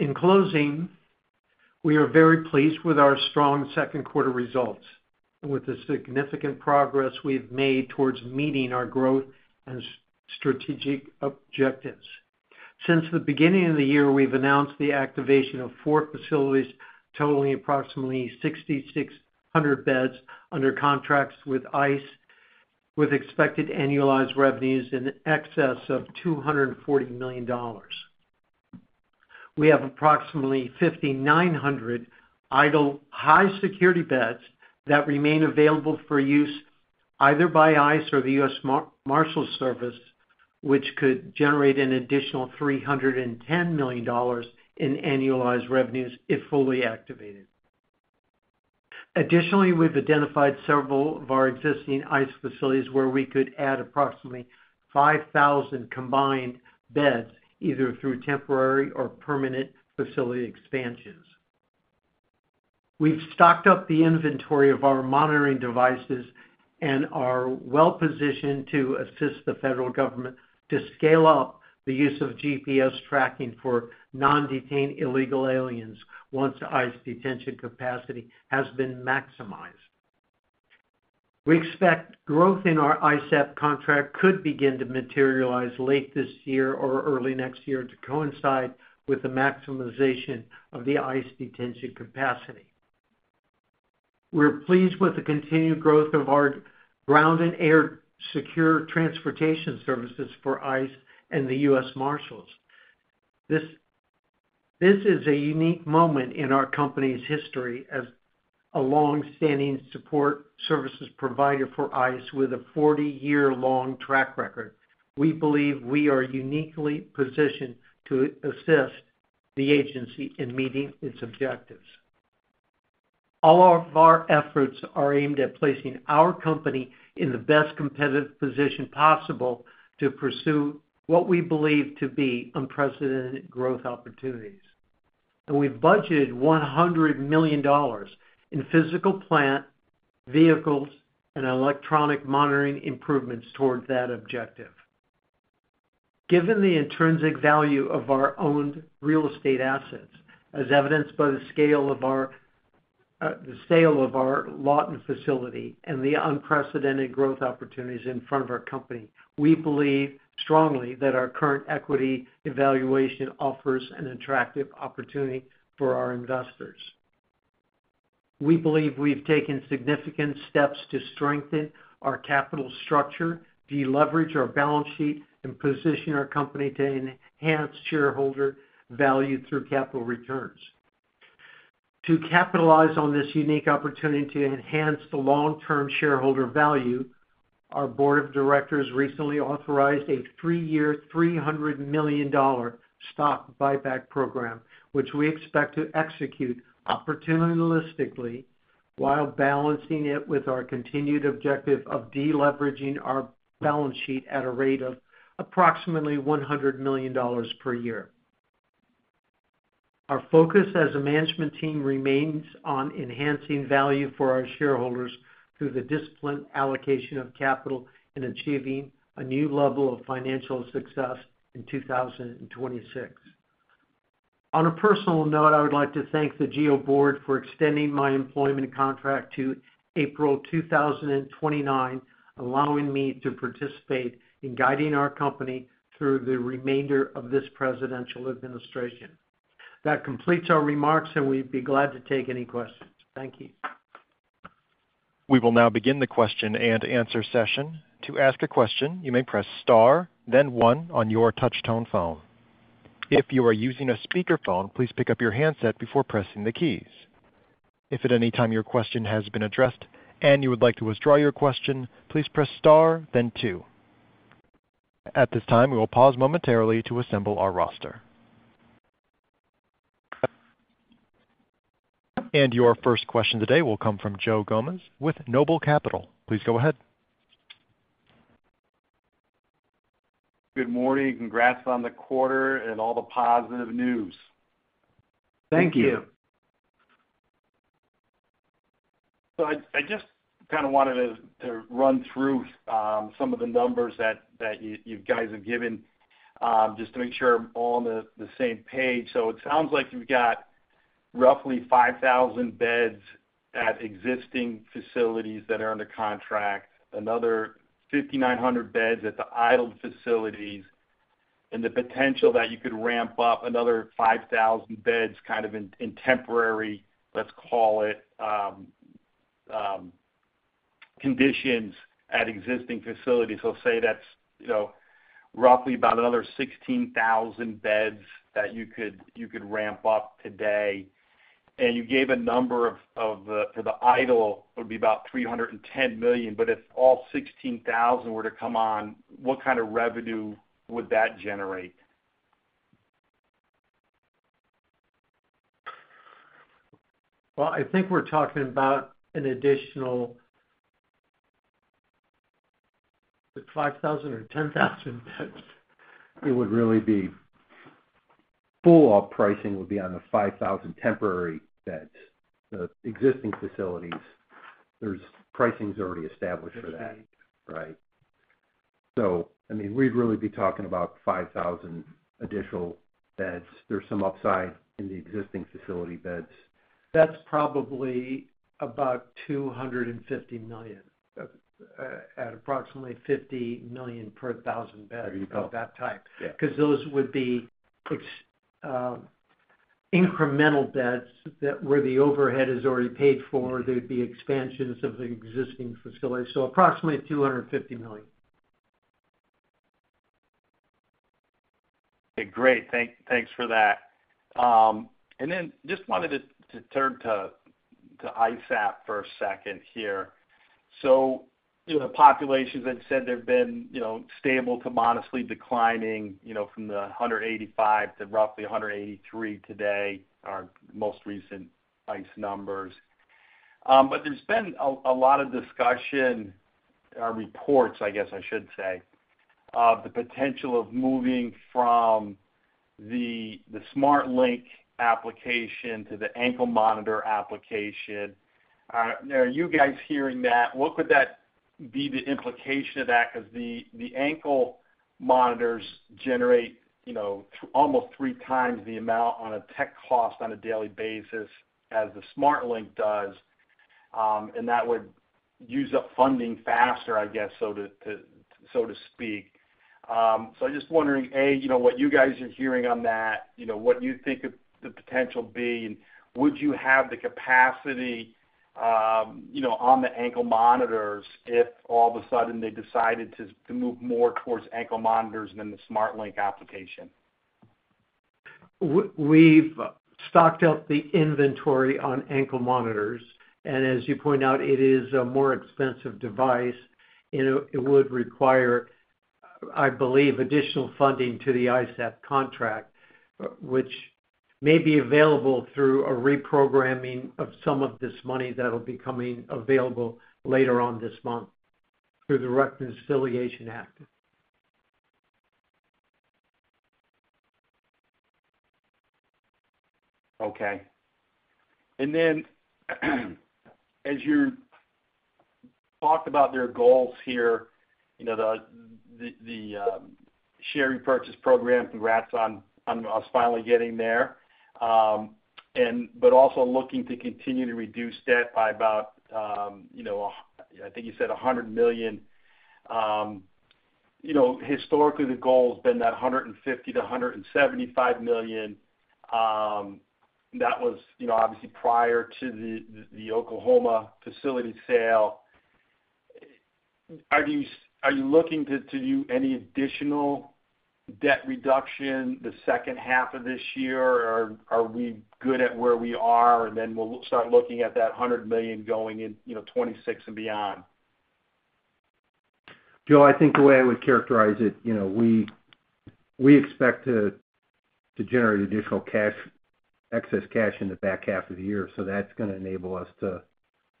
In closing, we are very pleased with our strong second quarter results and with the significant progress we've made towards meeting our growth and strategic objectives. Since the beginning of the year, we've announced the activation of four facilities, totaling approximately 6,600 beds under contracts with ICE, with expected annualized revenues in excess of $240 million. We have approximately 5,900 idle high-security beds that remain available for use either by ICE or the U.S. Marshals Service, which could generate an additional $310 million in annualized revenues if fully activated. Additionally, we've identified several of our existing ICE facilities where we could add approximately 5,000 combined beds, either through temporary or permanent facility expansions. We've stocked up the inventory of our monitoring devices and are well-positioned to assist the federal government to scale up the use of GPS tracking for non-detained illegal aliens once ICE detention capacity has been maximized. We expect growth in our ISAP contract could begin to materialize late this year or early next year to coincide with the maximization of the ICE detention capacity. We're pleased with the continued growth of our ground and air secure transportation services for ICE and the U.S. Marshals. This is a unique moment in our company's history as a longstanding support services provider for ICE with a 40-year-long track record. We believe we are uniquely positioned to assist the agency in meeting its objectives. All of our efforts are aimed at placing our company in the best competitive position possible to pursue what we believe to be unprecedented growth opportunities. We've budgeted $100 million in physical plant, vehicles, and electronic monitoring improvements towards that objective. Given the intrinsic value of our owned real estate assets, as evidenced by the scale of our Lawton facility and the unprecedented growth opportunities in front of our company, we believe strongly that our current equity evaluation offers an attractive opportunity for our investors. We believe we've taken significant steps to strengthen our capital structure, deleverage our balance sheet, and position our company to enhance shareholder value through capital returns. To capitalize on this unique opportunity to enhance the long-term shareholder value, our Board of Directors recently authorized a three-year $300 million stock buyback program, which we expect to execute opportunistically while balancing it with our continued objective of deleveraging our balance sheet at a rate of approximately $100 million/year. Our focus as a management team remains on enhancing value for our shareholders through the disciplined allocation of capital and achieving a new level of financial success in 2026. On a personal note, I would like to thank the GEO Board for extending my employment contract to April 2029, allowing me to participate in guiding our company through the remainder of this presidential administration. That completes our remarks, and we'd be glad to take any questions. Thank you. We will now begin the question and answer session. To ask a question, you may press star, then one on your touchtone phone. If you are using a speakerphone, please pick up your handset before pressing the keys. If at any time your question has been addressed and you would like to withdraw your question, please press star, then two. At this time, we will pause momentarily to assemble our roster. Your first question today will come from Joe Anthony Gomes with NOBLE Capital. Please go ahead. Good morning. Congrats on the quarter and all the positive news. Thank you. I just kind of wanted to run through some of the numbers that you guys have given just to make sure I'm on the same page. It sounds like you've got roughly 5,000 beds at existing facilities that are under contract, another 5,900 beds at the idle facilities, and the potential that you could ramp up another 5,000 beds kind of in temporary, let's call it, conditions at existing facilities. That's, you know, roughly about another 16,000 beds that you could ramp up today. You gave a number for the idle, it would be about $310 million, but if all 16,000 were to come on, what kind of revenue would that generate? I think we're talking about an additional 5,000 or 10,000 beds. It would really be full-up pricing would be on the 5,000 temporary beds. The existing facilities, there's pricing already established for that. Right. We'd really be talking about 5,000 additional beds. There's some upside in the existing facility beds. That's probably about $250 million. That's at approximately $50 million/1,000 beds. Of that type. Because those would be incremental beds where the overhead is already paid for. There would be expansions of existing facilities, so approximately $250 million. Okay, great, thanks for that. I just wanted to turn to ISAP for a second here. The populations have been, you know, stable to modestly declining, from the 185,000 to roughly 183,000 today, our most recent ICE numbers. There has been a lot of discussion in our reports, I guess I should say, of the potential of moving from the SmartLink application to the Ankle Monitor application. Are you guys hearing that? What could be the implication of that? The Ankle Monitors generate almost 3x the amount on a tech cost on a daily basis as the SmartLink does, and that would use up funding faster, so to speak. I'm just wondering, A, what you guys are hearing on that, what do you think of the potential, and B, would you have the capacity on the Ankle Monitors if all of a sudden they decided to move more towards Ankle Monitors than the SmartLink application? We've stocked up the inventory on ankle monitors. As you point out, it is a more expensive device, and it would require, I believe, additional funding to the ISAP contract, which may be available through a reprogramming of some of this money that'll be coming available later on this month through the Reconciliation Act. Okay. As you talked about their goals here, the share repurchase program, congrats on us finally getting there, but also looking to continue to reduce debt by about, I think you said $100 million. Historically, the goal has been that $150 million-$175 million. That was obviously prior to the Oklahoma facility sale. Are you looking to do any additional debt reduction the second half of this year, or are we good at where we are, and then we'll start looking at that $100 million going in 2026 and beyond? Joe. I think the way I would characterize it, we expect to generate additional cash, excess cash in the back half of the year. That's going to enable us to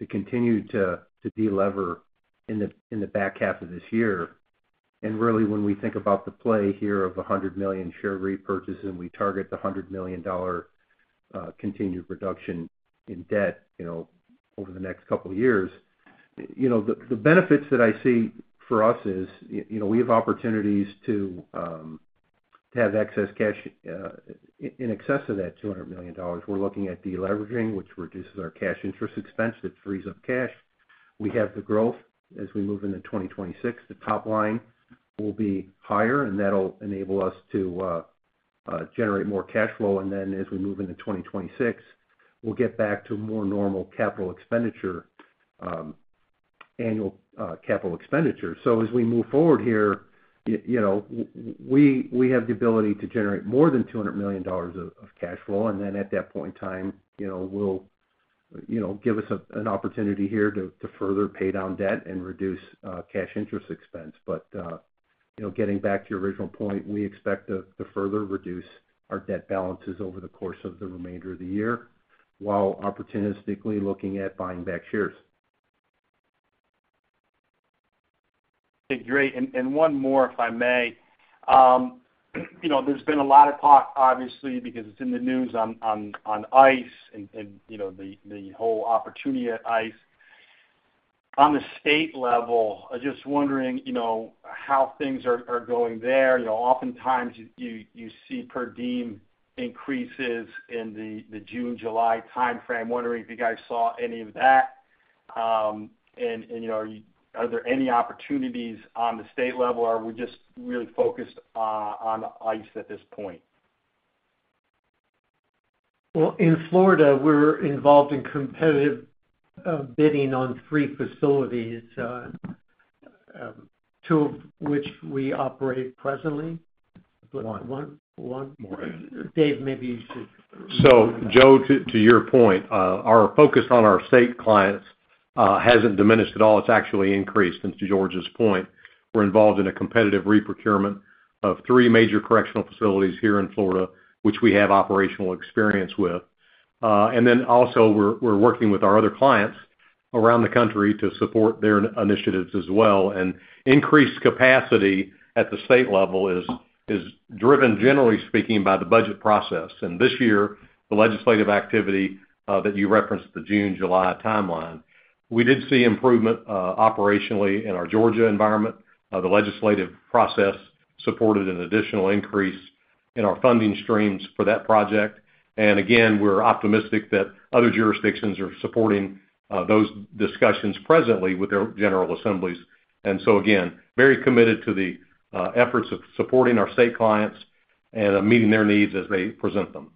continue to deliver in the back half of this year. Really, when we think about the play here of $100 million share repurchases and we target the $100 million continued reduction in debt over the next couple of years, the benefits that I see for us are we have opportunities to have excess cash in excess of that $200 million. We're looking at deleveraging, which reduces our cash interest expense and frees up cash. We have the growth. As we move into 2026, the top line will be higher, and that'll enable us to generate more cash flow. As we move into 2026, we'll get back to more normal capital expenditure, annual capital expenditure. As we move forward here, we have the ability to generate more than $200 million of cash flow. At that point in time, we'll have an opportunity to further pay down debt and reduce cash interest expense. Getting back to your original point, we expect to further reduce our debt balances over the course of the remainder of the year while opportunistically looking at buying back shares. Okay. Great. One more, if I may. There's been a lot of talk, obviously, because it's in the news on ICE and the whole opportunity at ICE. On the state level, I'm just wondering how things are going there. Oftentimes, you see per diem increases in the June, July timeframe. Wondering if you guys saw any of that. Are there any opportunities on the state level, or are we just really focused on ICE at this point? In Florida, we're involved in competitive bidding on three facilities, two of which we operate presently. One. One. More. Dave, maybe you should. Joe, to your point, our focus on our state clients hasn't diminished at all. It's actually increased since, to George's point, we're involved in a competitive reprocurement of three major correctional facilities here in Florida, which we have operational experience with. We're working with our other clients around the country to support their initiatives as well. Increased capacity at the state level is driven, generally speaking, by the budget process. This year, the legislative activity that you referenced, the June-July timeline, we did see improvement operationally in our Georgia environment. The legislative process supported an additional increase in our funding streams for that project. We're optimistic that other jurisdictions are supporting those discussions presently with their general assemblies. We're very committed to the efforts of supporting our state clients and meeting their needs as they present them.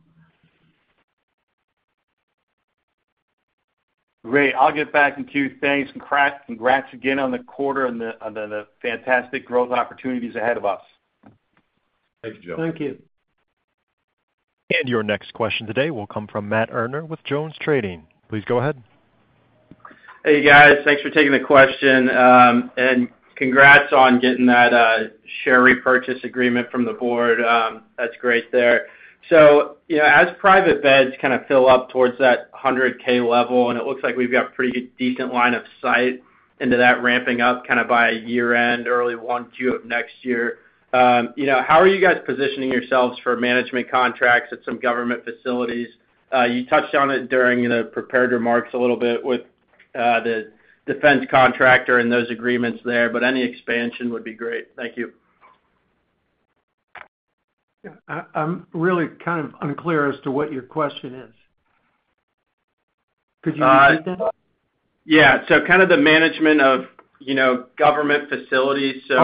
Great. I'll get back in two states. Congrats again on the quarter and the fantastic growth opportunities ahead of us. Thank you, Joe. Thank you. Your next question today will come from Matt Erdner with Jones Trading. Please go ahead. Hey, guys. Thanks for taking the question. Congrats on getting that share repurchase program from the board. That's great there. As private beds kind of fill up towards that 100,000 level, and it looks like we've got a pretty decent line of sight into that ramping up by year-end, early one-third of next year, how are you guys positioning yourselves for management contracts at some government facilities? You touched on it during the prepared remarks a little bit with the defense contractor and those agreements there, but any expansion would be great. Thank you. I'm really kind of unclear as to what your question is. Could you repeat that? Yeah, kind of the management of, you know, government facilities, so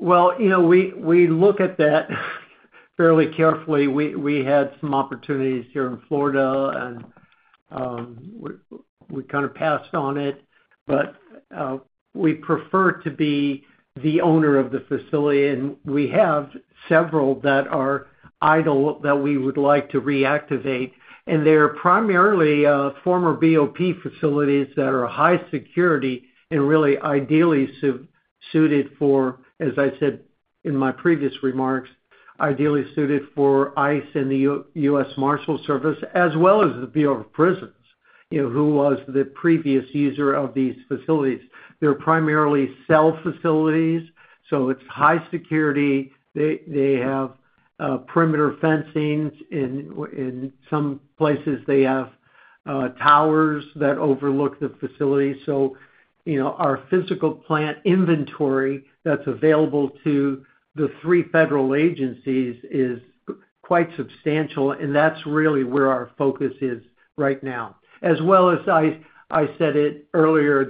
non-company-owned. You know, we look at that fairly carefully. We had some opportunities here in Florida, and we kind of passed on it. We prefer to be the owner of the facility, and we have several that are idle that we would like to reactivate. They're primarily former BOP facilities that are high security and really ideally suited for, as I said in my previous remarks, ideally suited for ICE and the U.S. Marshals Service, as well as the Bureau of Prisons, who was the previous user of these facilities. They're primarily cell facilities, so it's high security. They have perimeter fencing. In some places, they have towers that overlook the facility. Our physical plant inventory that's available to the three federal agencies is quite substantial, and that's really where our focus is right now. As I said earlier,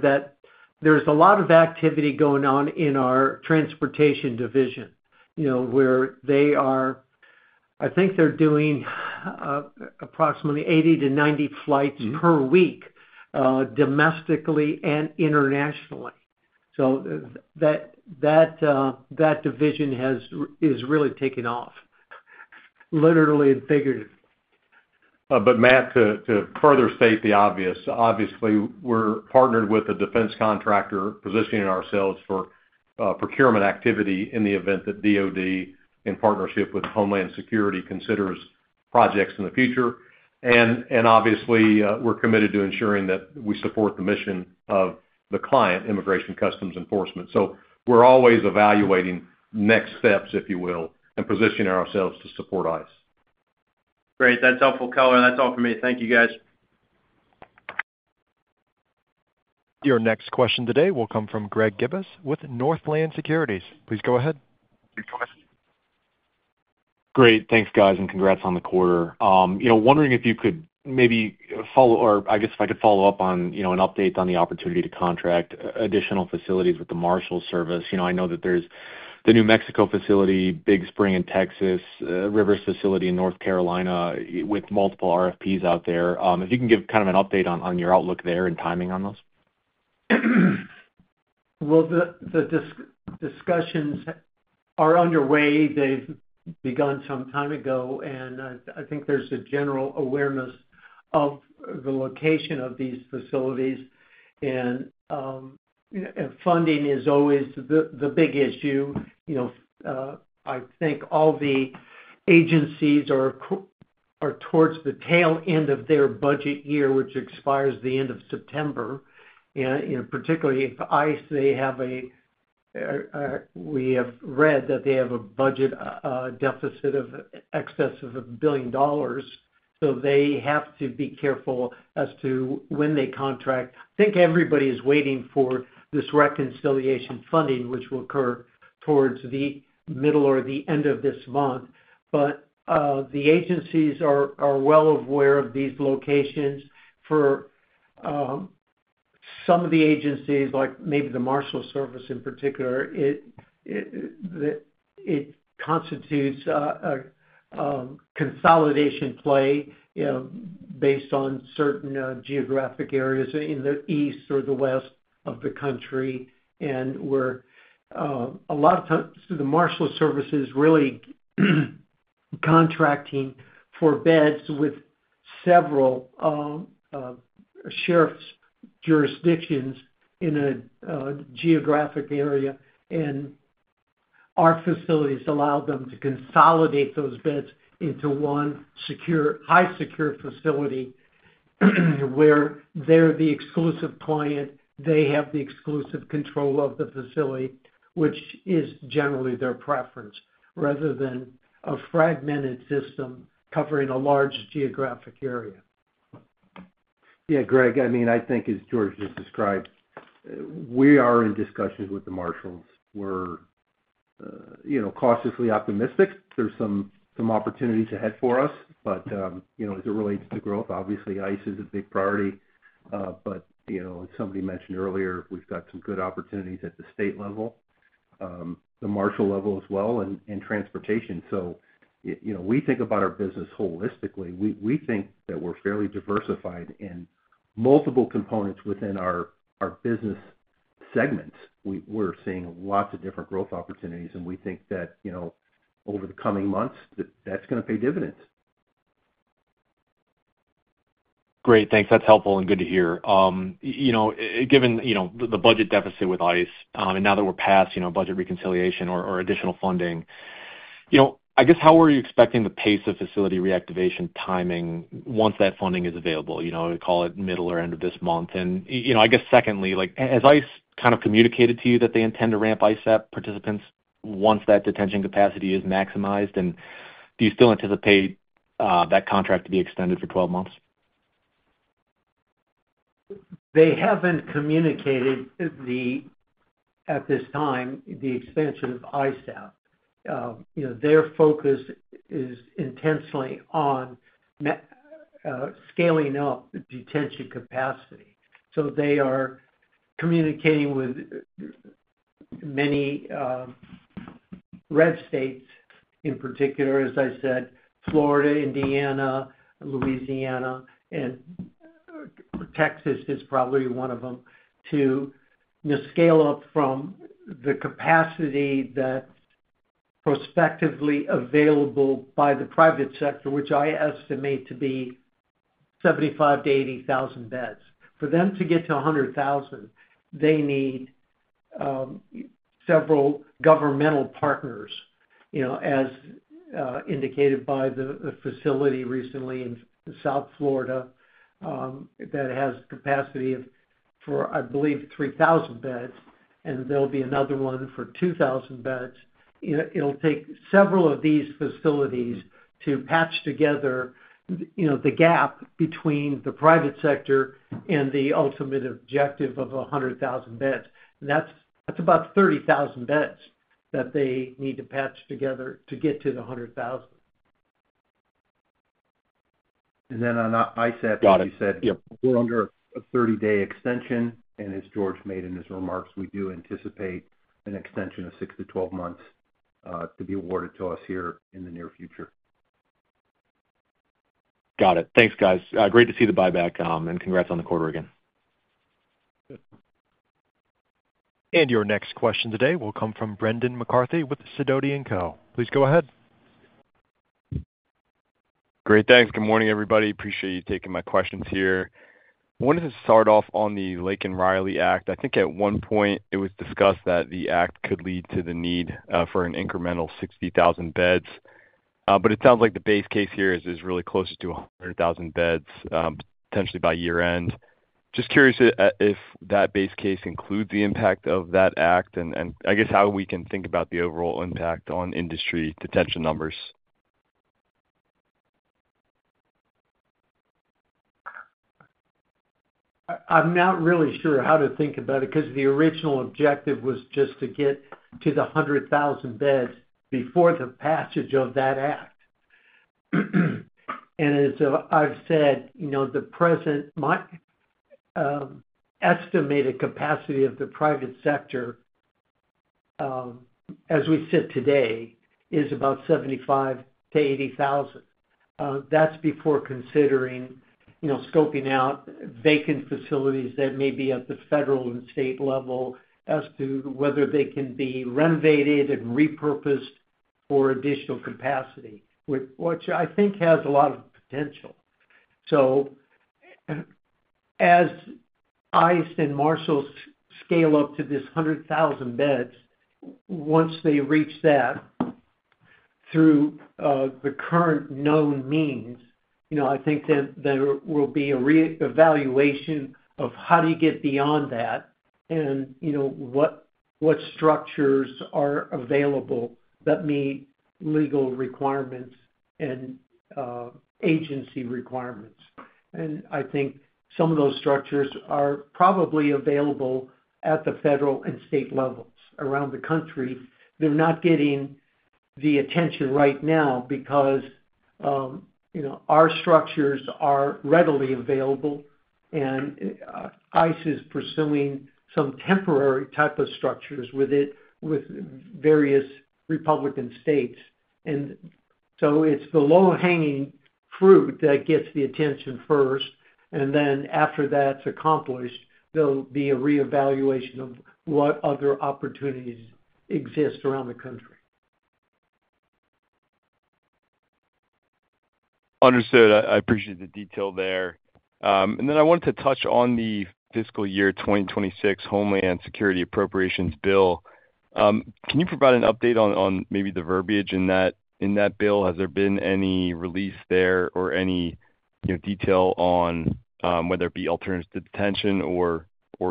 there's a lot of activity going on in our transportation division, where they are, I think they're doing approximately 80-90 flights per week, domestically and internationally. That division has really taken off, literally and figuratively. Matt, to further state the obvious, we're partnered with a defense contractor positioning ourselves for procurement activity in the event that the DOD, in partnership with Homeland Security, considers projects in the future. We're committed to ensuring that we support the mission of the client, U.S. Immigration and Customs Enforcement. We're always evaluating next steps, if you will, and positioning ourselves to support ICE. Great. That's helpful color. That's all for me. Thank you, guys. Your next question today will come from Greg Gibas with Northland Securities. Please go ahead. Great. Thanks, guys, and congrats on the quarter. Wondering if you could maybe follow, or I guess if I could follow up on, you know, an update on the opportunity to contract additional facilities with the U.S. Marshals Service. I know that there's the New Mexico facility, Big Spring in Texas, Rivers facility in North Carolina with multiple RFPs out there. If you can give kind of an update on your outlook there and timing on those. The discussions are underway. They've begun some time ago, and I think there's a general awareness of the location of these facilities. Funding is always the big issue. I think all the agencies are towards the tail end of their budget year, which expires the end of September. Particularly for ICE, we have read that they have a budget deficit in excess of $1 billion. They have to be careful as to when they contract. I think everybody is waiting for this reconciliation funding, which will occur towards the middle or the end of this month. The agencies are well aware of these locations. For some of the agencies, like maybe the U.S. Marshals Service in particular, it constitutes a consolidation play based on certain geographic areas in the east or the west of the country. A lot of times, the U.S. Marshals Service is really contracting for beds with several sheriff's jurisdictions in a geographic area. Our facilities allow them to consolidate those beds into one secure, high-security facility where they're the exclusive client. They have the exclusive control of the facility, which is generally their preference, rather than a fragmented system covering a large geographic area. Yeah, Greg, I mean, I think, as George just described, we are in discussions with the U.S. Marshals. We're cautiously optimistic. There are some opportunities ahead for us. As it relates to the growth, obviously, ICE is a big priority. As somebody mentioned earlier, we've got some good opportunities at the state level, the U.S. Marshals level as well, and transportation. We think about our business holistically. We think that we're fairly diversified in multiple components within our business segments. We're seeing lots of different growth opportunities, and we think that over the coming months, that's going to pay dividends. Great. Thanks. That's helpful and good to hear. Given the budget deficit with ICE, and now that we're past budget reconciliation or additional funding, I guess how are you expecting the pace of facility reactivation timing once that funding is available? I call it middle or end of this month. I guess secondly, has ICE kind of communicated to you that they intend to ramp ISAP participants once that detention capacity is maximized? Do you still anticipate that contract to be extended for 12 months? They haven't communicated at this time the expansion of ISAP. Their focus is intensely on scaling up detention capacity. They are communicating with many red states in particular, as I said, Florida, Indiana, Louisiana, and Texas is probably one of them, to scale up from the capacity that's prospectively available by the private sector, which I estimate to be 75,000-80,000 beds. For them to get to 100,000, they need several governmental partners, as indicated by the facility recently in South Florida that has capacity for, I believe, 3,000 beds. There will be another one for 2,000 beds. It will take several of these facilities to patch together the gap between the private sector and the ultimate objective of 100,000 beds. That's about 30,000 beds that they need to patch together to get to the 100,000. On ISAP, you said, you know, we're under a 30-day extension. As George made in his remarks, we do anticipate an extension of 6-12 months to be awarded to us here in the near future. Got it. Thanks, guys. Great to see the buyback, and congrats on the quarter again. Your next question today will come from Brendan McCarthy with Sidoti & Co. Please go ahead. Great. Thanks. Good morning, everybody. Appreciate you taking my questions here. I wanted to start off on the North Lake and Ryan. The I think at one point it was discussed that the act could lead to the need for an incremental 60,000 beds. It sounds like the base case here is really close to 100,000 beds, potentially by year-end. Just curious if that base case includes the impact of that act, and I guess how we can think about the overall impact on industry detention numbers. I'm not really sure how to think about it, because the original objective was just to get to the 100,000 beds before the passage of that act. As I've said, the present estimated capacity of the private sector, as we sit today, is about 75,000-80,000. That's before considering scoping out vacant facilities that may be at the federal and state level as to whether they can be renovated and repurposed for additional capacity, which I think has a lot of potential. As ICE and U.S. Marshals scale up to this 100,000 beds, once they reach that through the current known means, I think then there will be a reevaluation of how do you get beyond that and what structures are available that meet legal requirements and agency requirements. I think some of those structures are probably available at the federal and state levels around the country. They're not getting the attention right now because our structures are readily available, and ICE is pursuing some temporary type of structures with various Republican states. It's the low-hanging fruit that gets the attention first, and after that's accomplished, there'll be a reevaluation of what other opportunities exist around the country. Understood. I appreciate the detail there. I wanted to touch on the fiscal year 2026 Homeland Security Appropriations Bill. Can you provide an update on maybe the verbiage in that bill? Has there been any release there or any detail on whether it be alternatives to detention or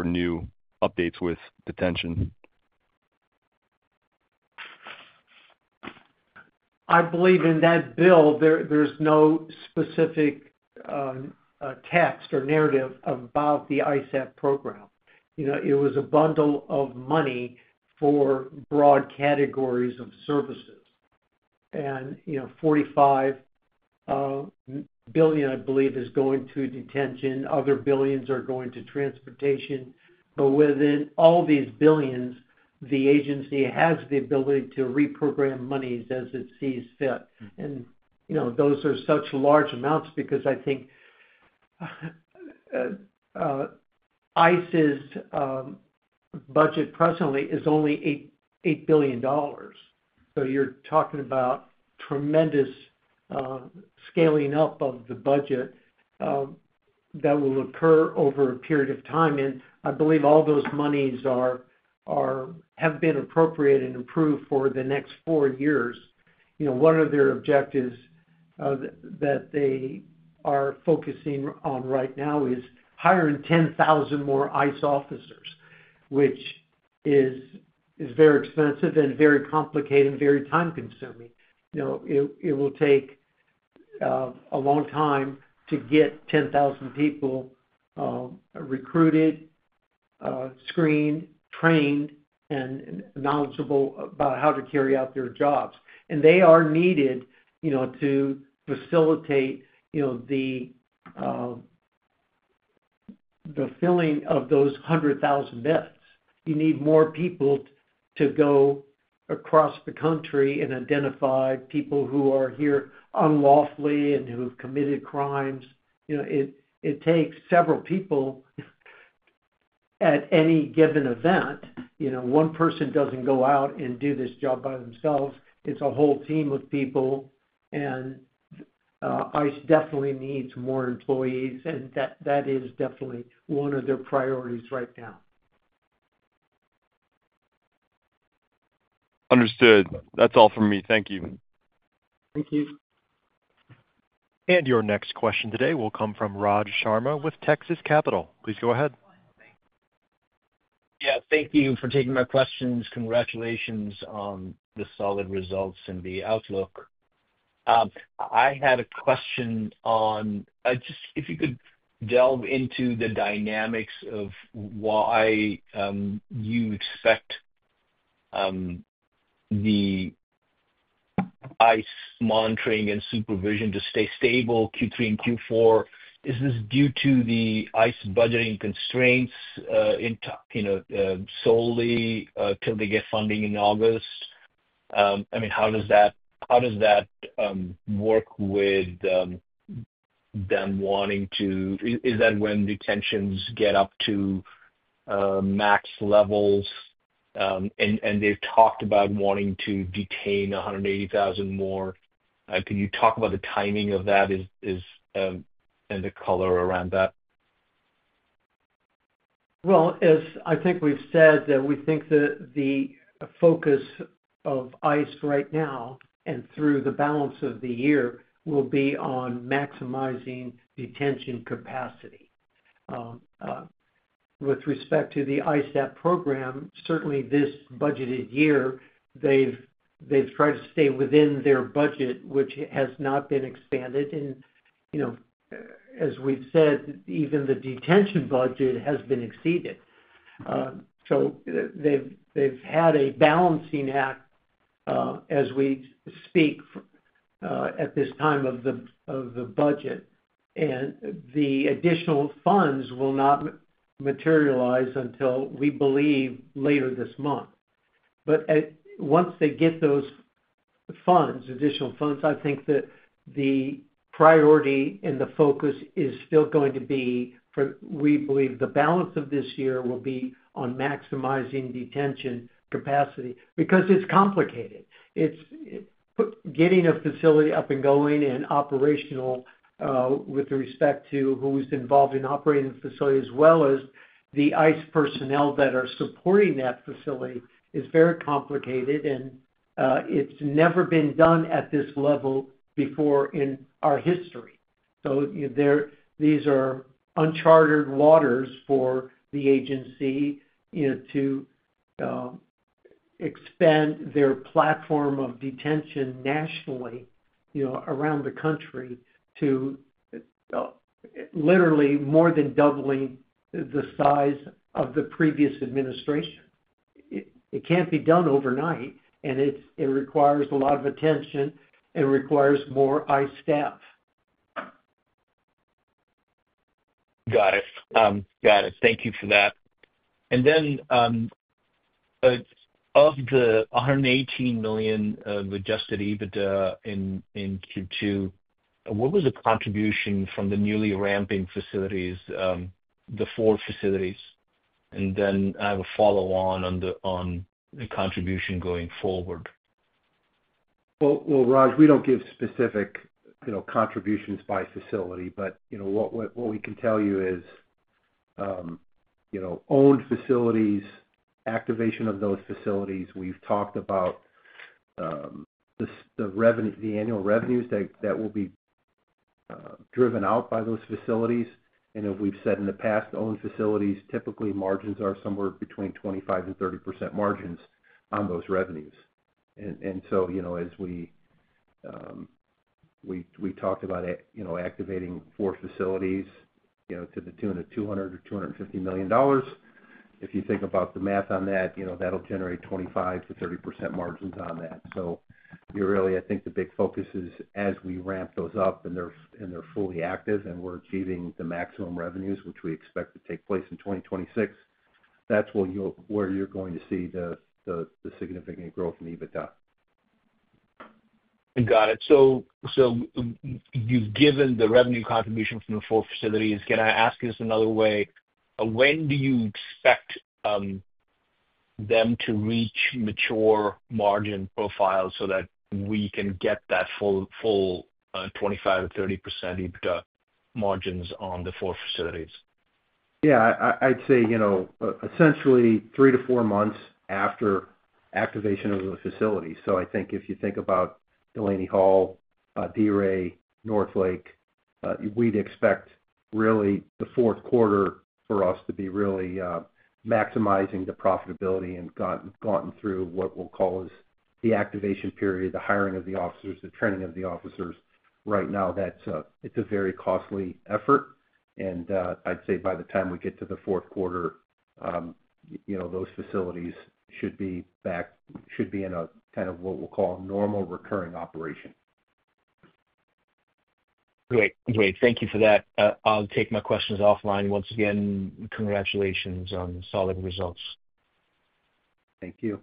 new updates with detention? I believe in that bill there's no specific text or narrative about the ICE Act program. It was a bundle of money for broad categories of services. $45 billion, I believe, is going to detention. Other billions are going to transportation. Within all these billions, the agency has the ability to reprogram monies as it sees fit. Those are such large amounts because I think ICE's budget presently is only $8 billion. You're talking about tremendous scaling up of the budget that will occur over a period of time. I believe all those monies have been appropriated and approved for the next four years. One of their objectives that they are focusing on right now is hiring 10,000 more ICE officers, which is very expensive and very complicated and very time-consuming. It will take a long time to get 10,000 people recruited, screened, trained, and knowledgeable about how to carry out their jobs. They are needed to facilitate the filling of those 100,000 beds. You need more people to go across the country and identify people who are here unlawfully and who've committed crimes. It takes several people at any given event. One person doesn't go out and do this job by themselves. It's a whole team of people. ICE definitely needs more employees, and that is definitely one of their priorities right now. Understood. That's all from me. Thank you. Thank you. Your next question today will come from Raj Sharma with Texas Capital. Please go ahead. Yeah, thank you for taking my questions. Congratulations on the solid results and the outlook. I had a question on, if you could delve into the dynamics of why you expect the ICE monitoring and supervision to stay stable Q3 and Q4. Is this due to the ICE budgeting constraints, you know, solely till they get funding in August? I mean, how does that work with them wanting to, is that when detentions get up to max levels? They've talked about wanting to detain 180,000 more. Can you talk about the timing of that and the color around that? As I think we've said, we think that the focus of ICE right now and through the balance of the year will be on maximizing detention capacity. With respect to the ICE Act program, certainly this budgeted year, they've tried to stay within their budget, which has not been expanded. You know, as we've said, even the detention budget has been exceeded. They've had a balancing act at this time of the budget. The additional funds will not materialize until we believe later this month. Once they get those additional funds, I think that the priority and the focus is still going to be, for we believe the balance of this year, on maximizing detention capacity because it's complicated. It's getting a facility up and going and operational with respect to who's involved in operating the facility, as well as the ICE personnel that are supporting that facility, which is very complicated. It's never been done at this level before in our history. These are uncharted waters for the agency to expand their platform of detention nationally around the country to literally more than doubling the size of the previous administration. It can't be done overnight, and it requires a lot of attention and requires more ICE staff. Got it. Got it. Thank you for that. Of the $118 million adjusted EBITDA in Q2, what was the contribution from the newly ramping facilities, the four facilities? I have a follow-on on the contribution going forward. Raj, we don't give specific, you know, contributions by facility, but what we can tell you is, you know, owned facilities, activation of those facilities, we've talked about the annual revenues that will be driven out by those facilities. We've said in the past, owned facilities typically margins are somewhere between 25% and 30% margins on those revenues. As we talked about, you know, activating four facilities, you know, to the tune of $200 million-$250 million. If you think about the math on that, you know, that'll generate 25%-30% margins on that. I think the big focus is as we ramp those up and they're fully active and we're achieving the maximum revenues, which we expect to take place in 2026, that's where you're going to see the significant growth in EBITDA. Got it. You've given the revenue contribution from the four facilities. Can I ask this another way? When do you expect them to reach mature margin profile so that we can get that full 25%-30% EBITDA margins on the four facilities? I'd say, you know, essentially three to four months after activation of the facilities. I think if you think about Delaney Hall, D. Ray James, North Lake, we'd expect really the fourth quarter for us to be really maximizing the profitability and gotten through what we'll call the activation period, the hiring of the officers, the training of the officers. Right now, it's a very costly effort. I'd say by the time we get to the fourth quarter, you know, those facilities should be back, should be in a kind of what we'll call normal recurring operation. Great. Thank you for that. I'll take my questions offline. Once again, congratulations on solid results. Thank you.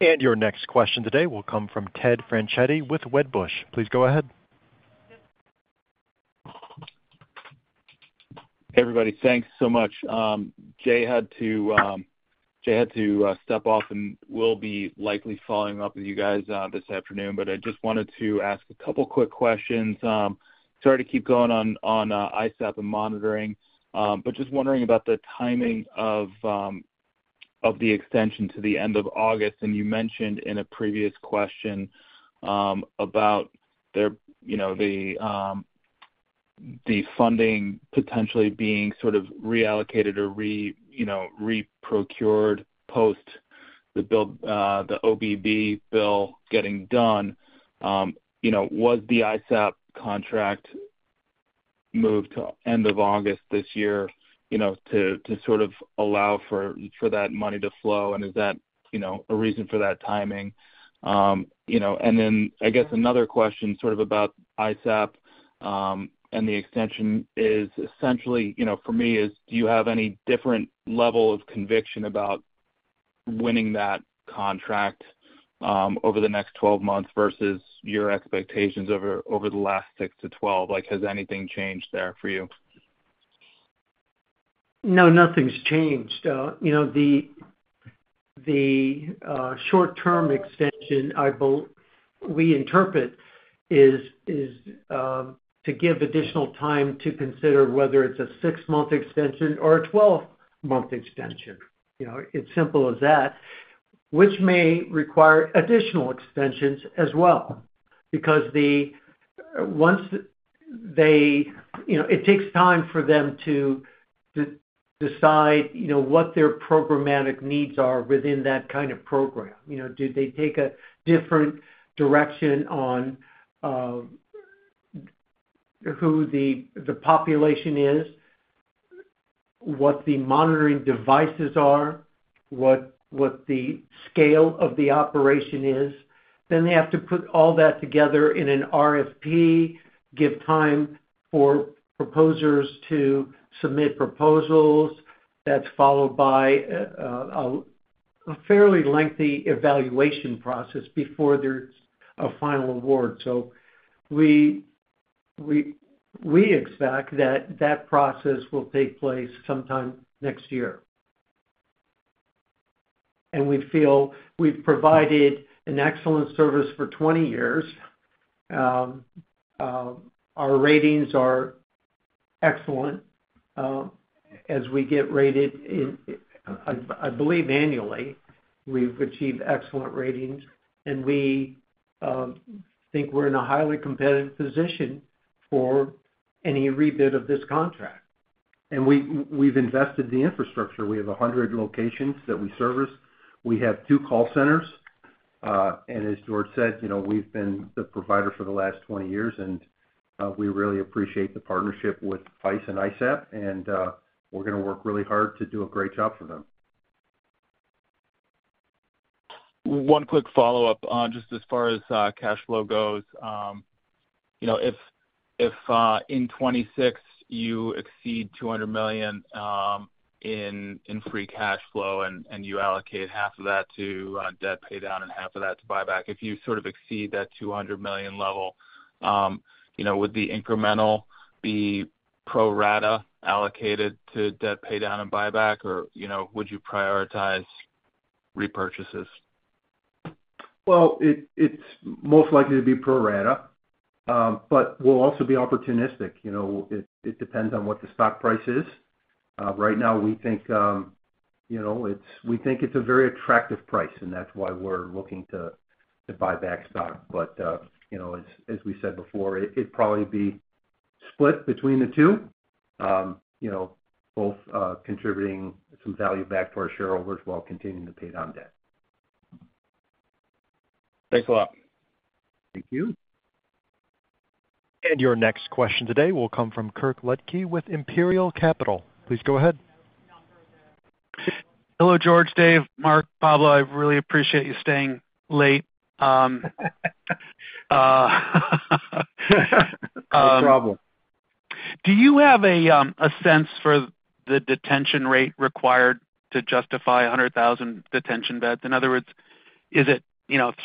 Your next question today will come from Ted Franchetti with Wedbush. Please go ahead. Hey, everybody. Thanks so much. Jay had to step off and will be likely following up with you guys this afternoon, but I just wanted to ask a couple of quick questions. Sorry to keep going on ISAP and monitoring, but just wondering about the timing of the extension to the end of August. You mentioned in a previous question about the funding potentially being sort of reallocated or reprocured post the OBB bill getting done. Was the ISAP contract moved to end of August this year to sort of allow for that money to flow? Is that a reason for that timing? Another question about ISAP and the extension is, for me, do you have any different level of conviction about winning that contract over the next 12 months versus your expectations over the last 6-12? Has anything changed there for you? No, nothing's changed. The short-term extension, we interpret, is to give additional time to consider whether it's a 6-month extension or a 12-month extension. It's as simple as that, which may require additional extensions as well because it takes time for them to decide what their programmatic needs are within that kind of program. Do they take a different direction on who the population is, what the monitoring devices are, what the scale of the operation is? They have to put all that together in an RFP, give time for proposers to submit proposals. That is followed by a fairly lengthy evaluation process before there's a final award. We expect that process will take place sometime next year. We feel we've provided an excellent service for 20 years. Our ratings are excellent. As we get rated, I believe annually, we've achieved excellent ratings, and we think we're in a highly competitive position for any rebid of this contract. We've invested in the infrastructure. We have 100 locations that we service. We have two call centers. As George said, we've been the provider for the last 20 years, and we really appreciate the partnership with ICE and ISAP, and we're going to work really hard to do a great job for them. One quick follow-up on just as far as cash flow goes. If in 2026 you exceed $200 million in free cash flow and you allocate half of that to debt paydown and half of that to buyback, if you sort of exceed that $200 million level, would the incremental be pro rata allocated to debt paydown and buyback, or would you prioritize repurchases? It is most likely to be pro rata, but we'll also be opportunistic. It depends on what the stock price is. Right now, we think it's a very attractive price, and that's why we're looking to buy back stock. As we said before, it'd probably be split between the two, both contributing some value back to our shareholders while continuing to pay down debt. Thanks a lot. Thank you. Your next question today will come from Kirk Ludtke with Imperial Capital. Please go ahead. Hello, George, Dave, Mark, Pablo. I really appreciate you staying late. No problem. Do you have a sense for the detention rate required to justify 100,000 detention beds? In other words, is it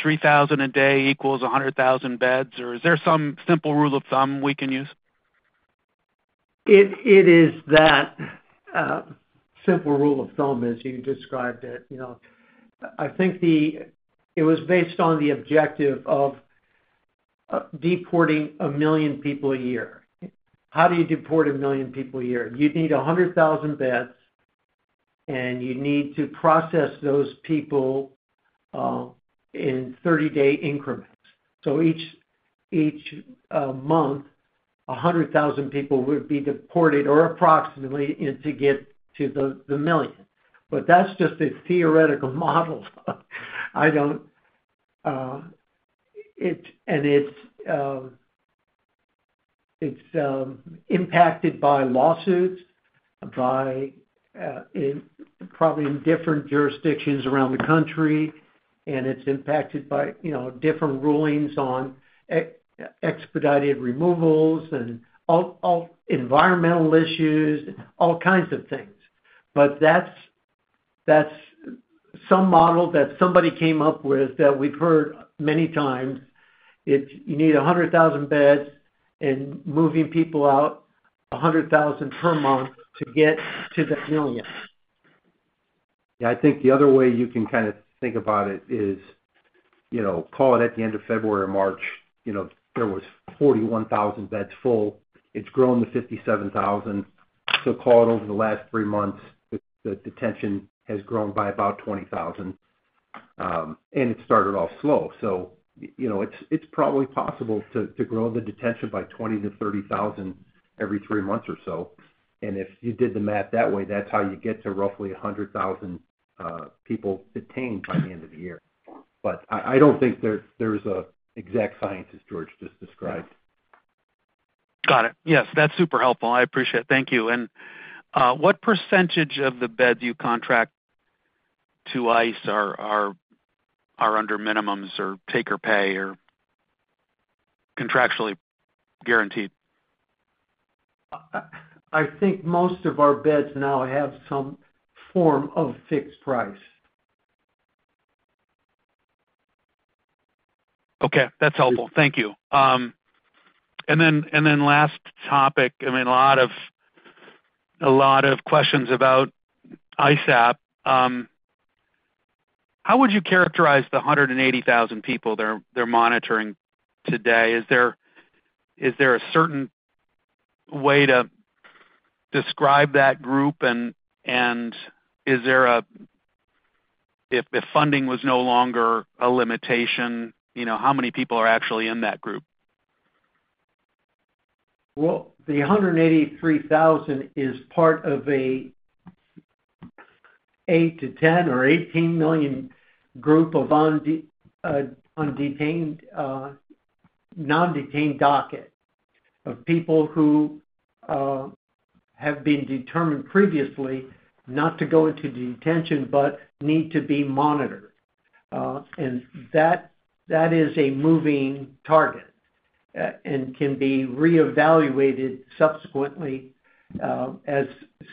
3,000 a day equals 100,000 beds, or is there some simple rule of thumb we can use? It is that simple rule of thumb, as you described it. I think it was based on the objective of deporting a million people a year. How do you deport a million people a year? You'd need 100,000 beds, and you'd need to process those people in 30-day increments. Each month, 100,000 people would be deported or approximately to get to the million. That's just a theoretical model. It's impacted by lawsuits probably in different jurisdictions around the country, and it's impacted by different rulings on expedited removals and all environmental issues, all kinds of things. That's some model that somebody came up with that we've heard many times. You need 100,000 beds and moving people out 100,000 per month to get to the million. Yeah. I think the other way you can kind of think about it is, you know, call it at the end of February or March, there were 41,000 beds full. It's grown to 57,000. Over the last three months, the detention has grown by about 20,000. It started off slow. It's probably possible to grow the detention by 20,000-30,000 every three months or so. If you did the math that way, that's how you get to roughly 100,000 people detained by the end of the year. I don't think there's an exact science, as George just described. Got it. Yes, that's super helpful. I appreciate it. Thank you. What percentage of the beds you contract to ICE are under minimums or taker pay or contractually guaranteed? I think most of our beds now have some form of fixed price. Okay. That's helpful. Thank you. Last topic, I mean, a lot of questions about ISAP. How would you characterize the 180,000 people they're monitoring today? Is there a certain way to describe that group? If funding was no longer a limitation, you know, how many people are actually in that group? The 183,000 is part of an 8-10 or 18 million group of undetained non-detained docket of people who have been determined previously not to go into detention but need to be monitored. That is a moving target and can be reevaluated subsequently as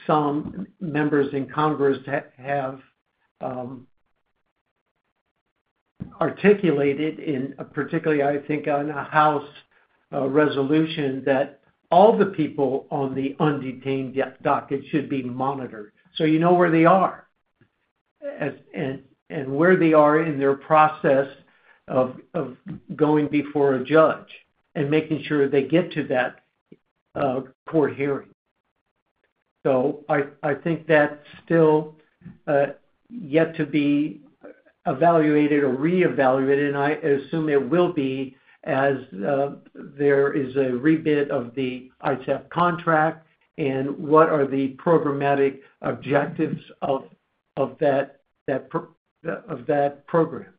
some members in Congress have articulated, particularly, I think, on a House resolution that all the people on the undetained docket should be monitored. You know where they are and where they are in their process of going before a judge and making sure they get to that court hearing. I think that's still yet to be evaluated or reevaluated, and I assume it will be as there is a rebid of the ICE app contract and what are the programmatic objectives of that program.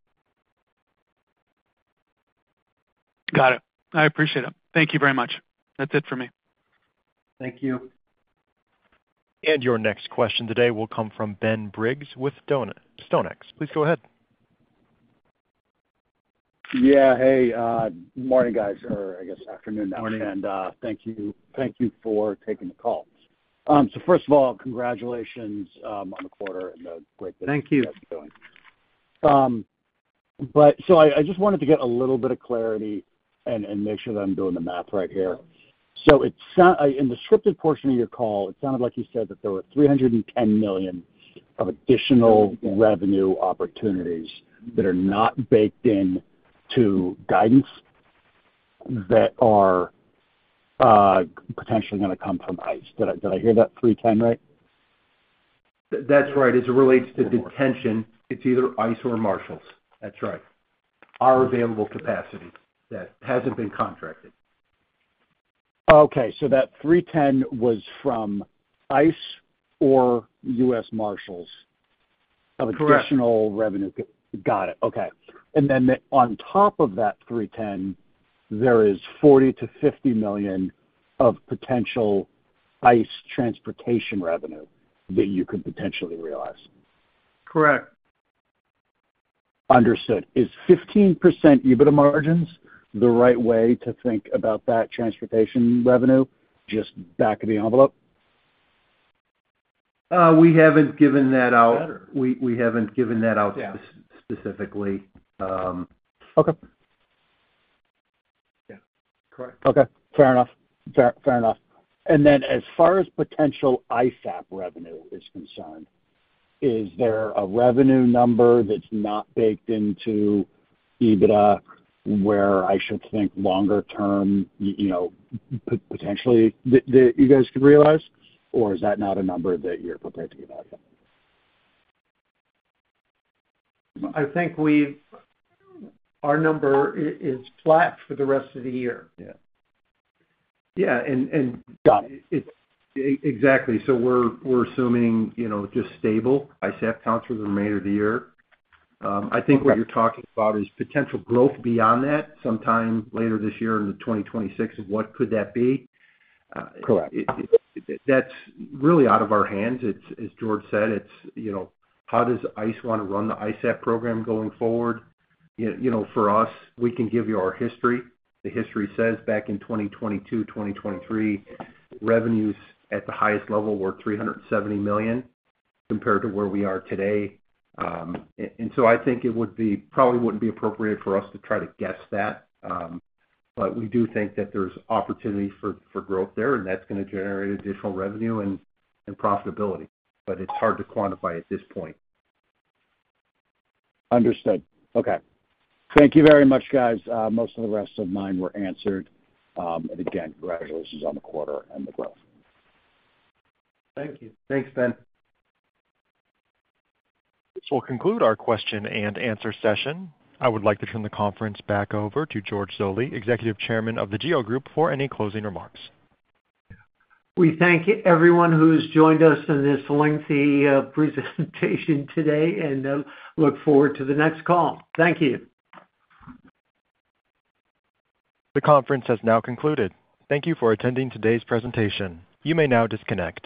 Got it. I appreciate it. Thank you very much. That's it for me. Thank you. Your next question today will come from Benjamin Briggs with StoneX. Please go ahead. Yeah. Hey, good morning, guys, or I guess afternoon now. Thank you for taking the call. First of all, congratulations on the quarter and the great business. Thank you. That you're doing. I just wanted to get a little bit of clarity and make sure that I'm doing the math right here. In the scripted portion of your call, it sounded like you said that there were $310 million of additional revenue opportunities that are not baked into guidance that are potentially going to come from ICE. Did I hear that $310 million right? That's right. As it relates to detention, it's either ICE or U.S. Marshals. That's right. Our available capacity that hasn't been contracted. Okay. That $310 million was from ICE or U.S. Marshals? Correct. Of additional revenue. Got it. On top of that $310 million, there is $40 million-$50 million of potential ICE transportation revenue that you could potentially realize. Correct. Understood. Is 15% EBITDA margins the right way to think about that transportation revenue just back of the envelope? We haven't given that out specifically. Okay. Correct. Fair enough. As far as potential ICE app revenue is concerned, is there a revenue number that's not baked into EBITDA where ICE should think longer term, you know, potentially that you guys could realize, or is that not a number that you're prepared to evaluate? I think our number is flat for the rest of the year. Yeah. Exactly. We're assuming, you know, just stable ICE app counts for the remainder of the year. I think what you're talking about is potential growth beyond that sometime later this year in the 2026 of what could that be. Correct. That's really out of our hands. As George said, it's, you know, how does ICE want to run the ICE app program going forward? For us, we can give you our history. The history says back in 2022, 2023, revenues at the highest level were $370 million compared to where we are today. I think it probably wouldn't be appropriate for us to try to guess that. We do think that there's opportunity for growth there, and that's going to generate additional revenue and profitability. It's hard to quantify at this point. Understood. Thank you very much, guys. Most of the rest of mine were answered. Again, congratulations on the quarter and the growth. Thank you. Thanks, Ben. This will conclude our question and answer session. I would like to turn the conference back over to George Zoley, Executive Chairman of The GEO Group, for any closing remarks. We thank everyone who has joined us in this lengthy presentation today and look forward to the next call. Thank you. The conference has now concluded. Thank you for attending today's presentation. You may now disconnect.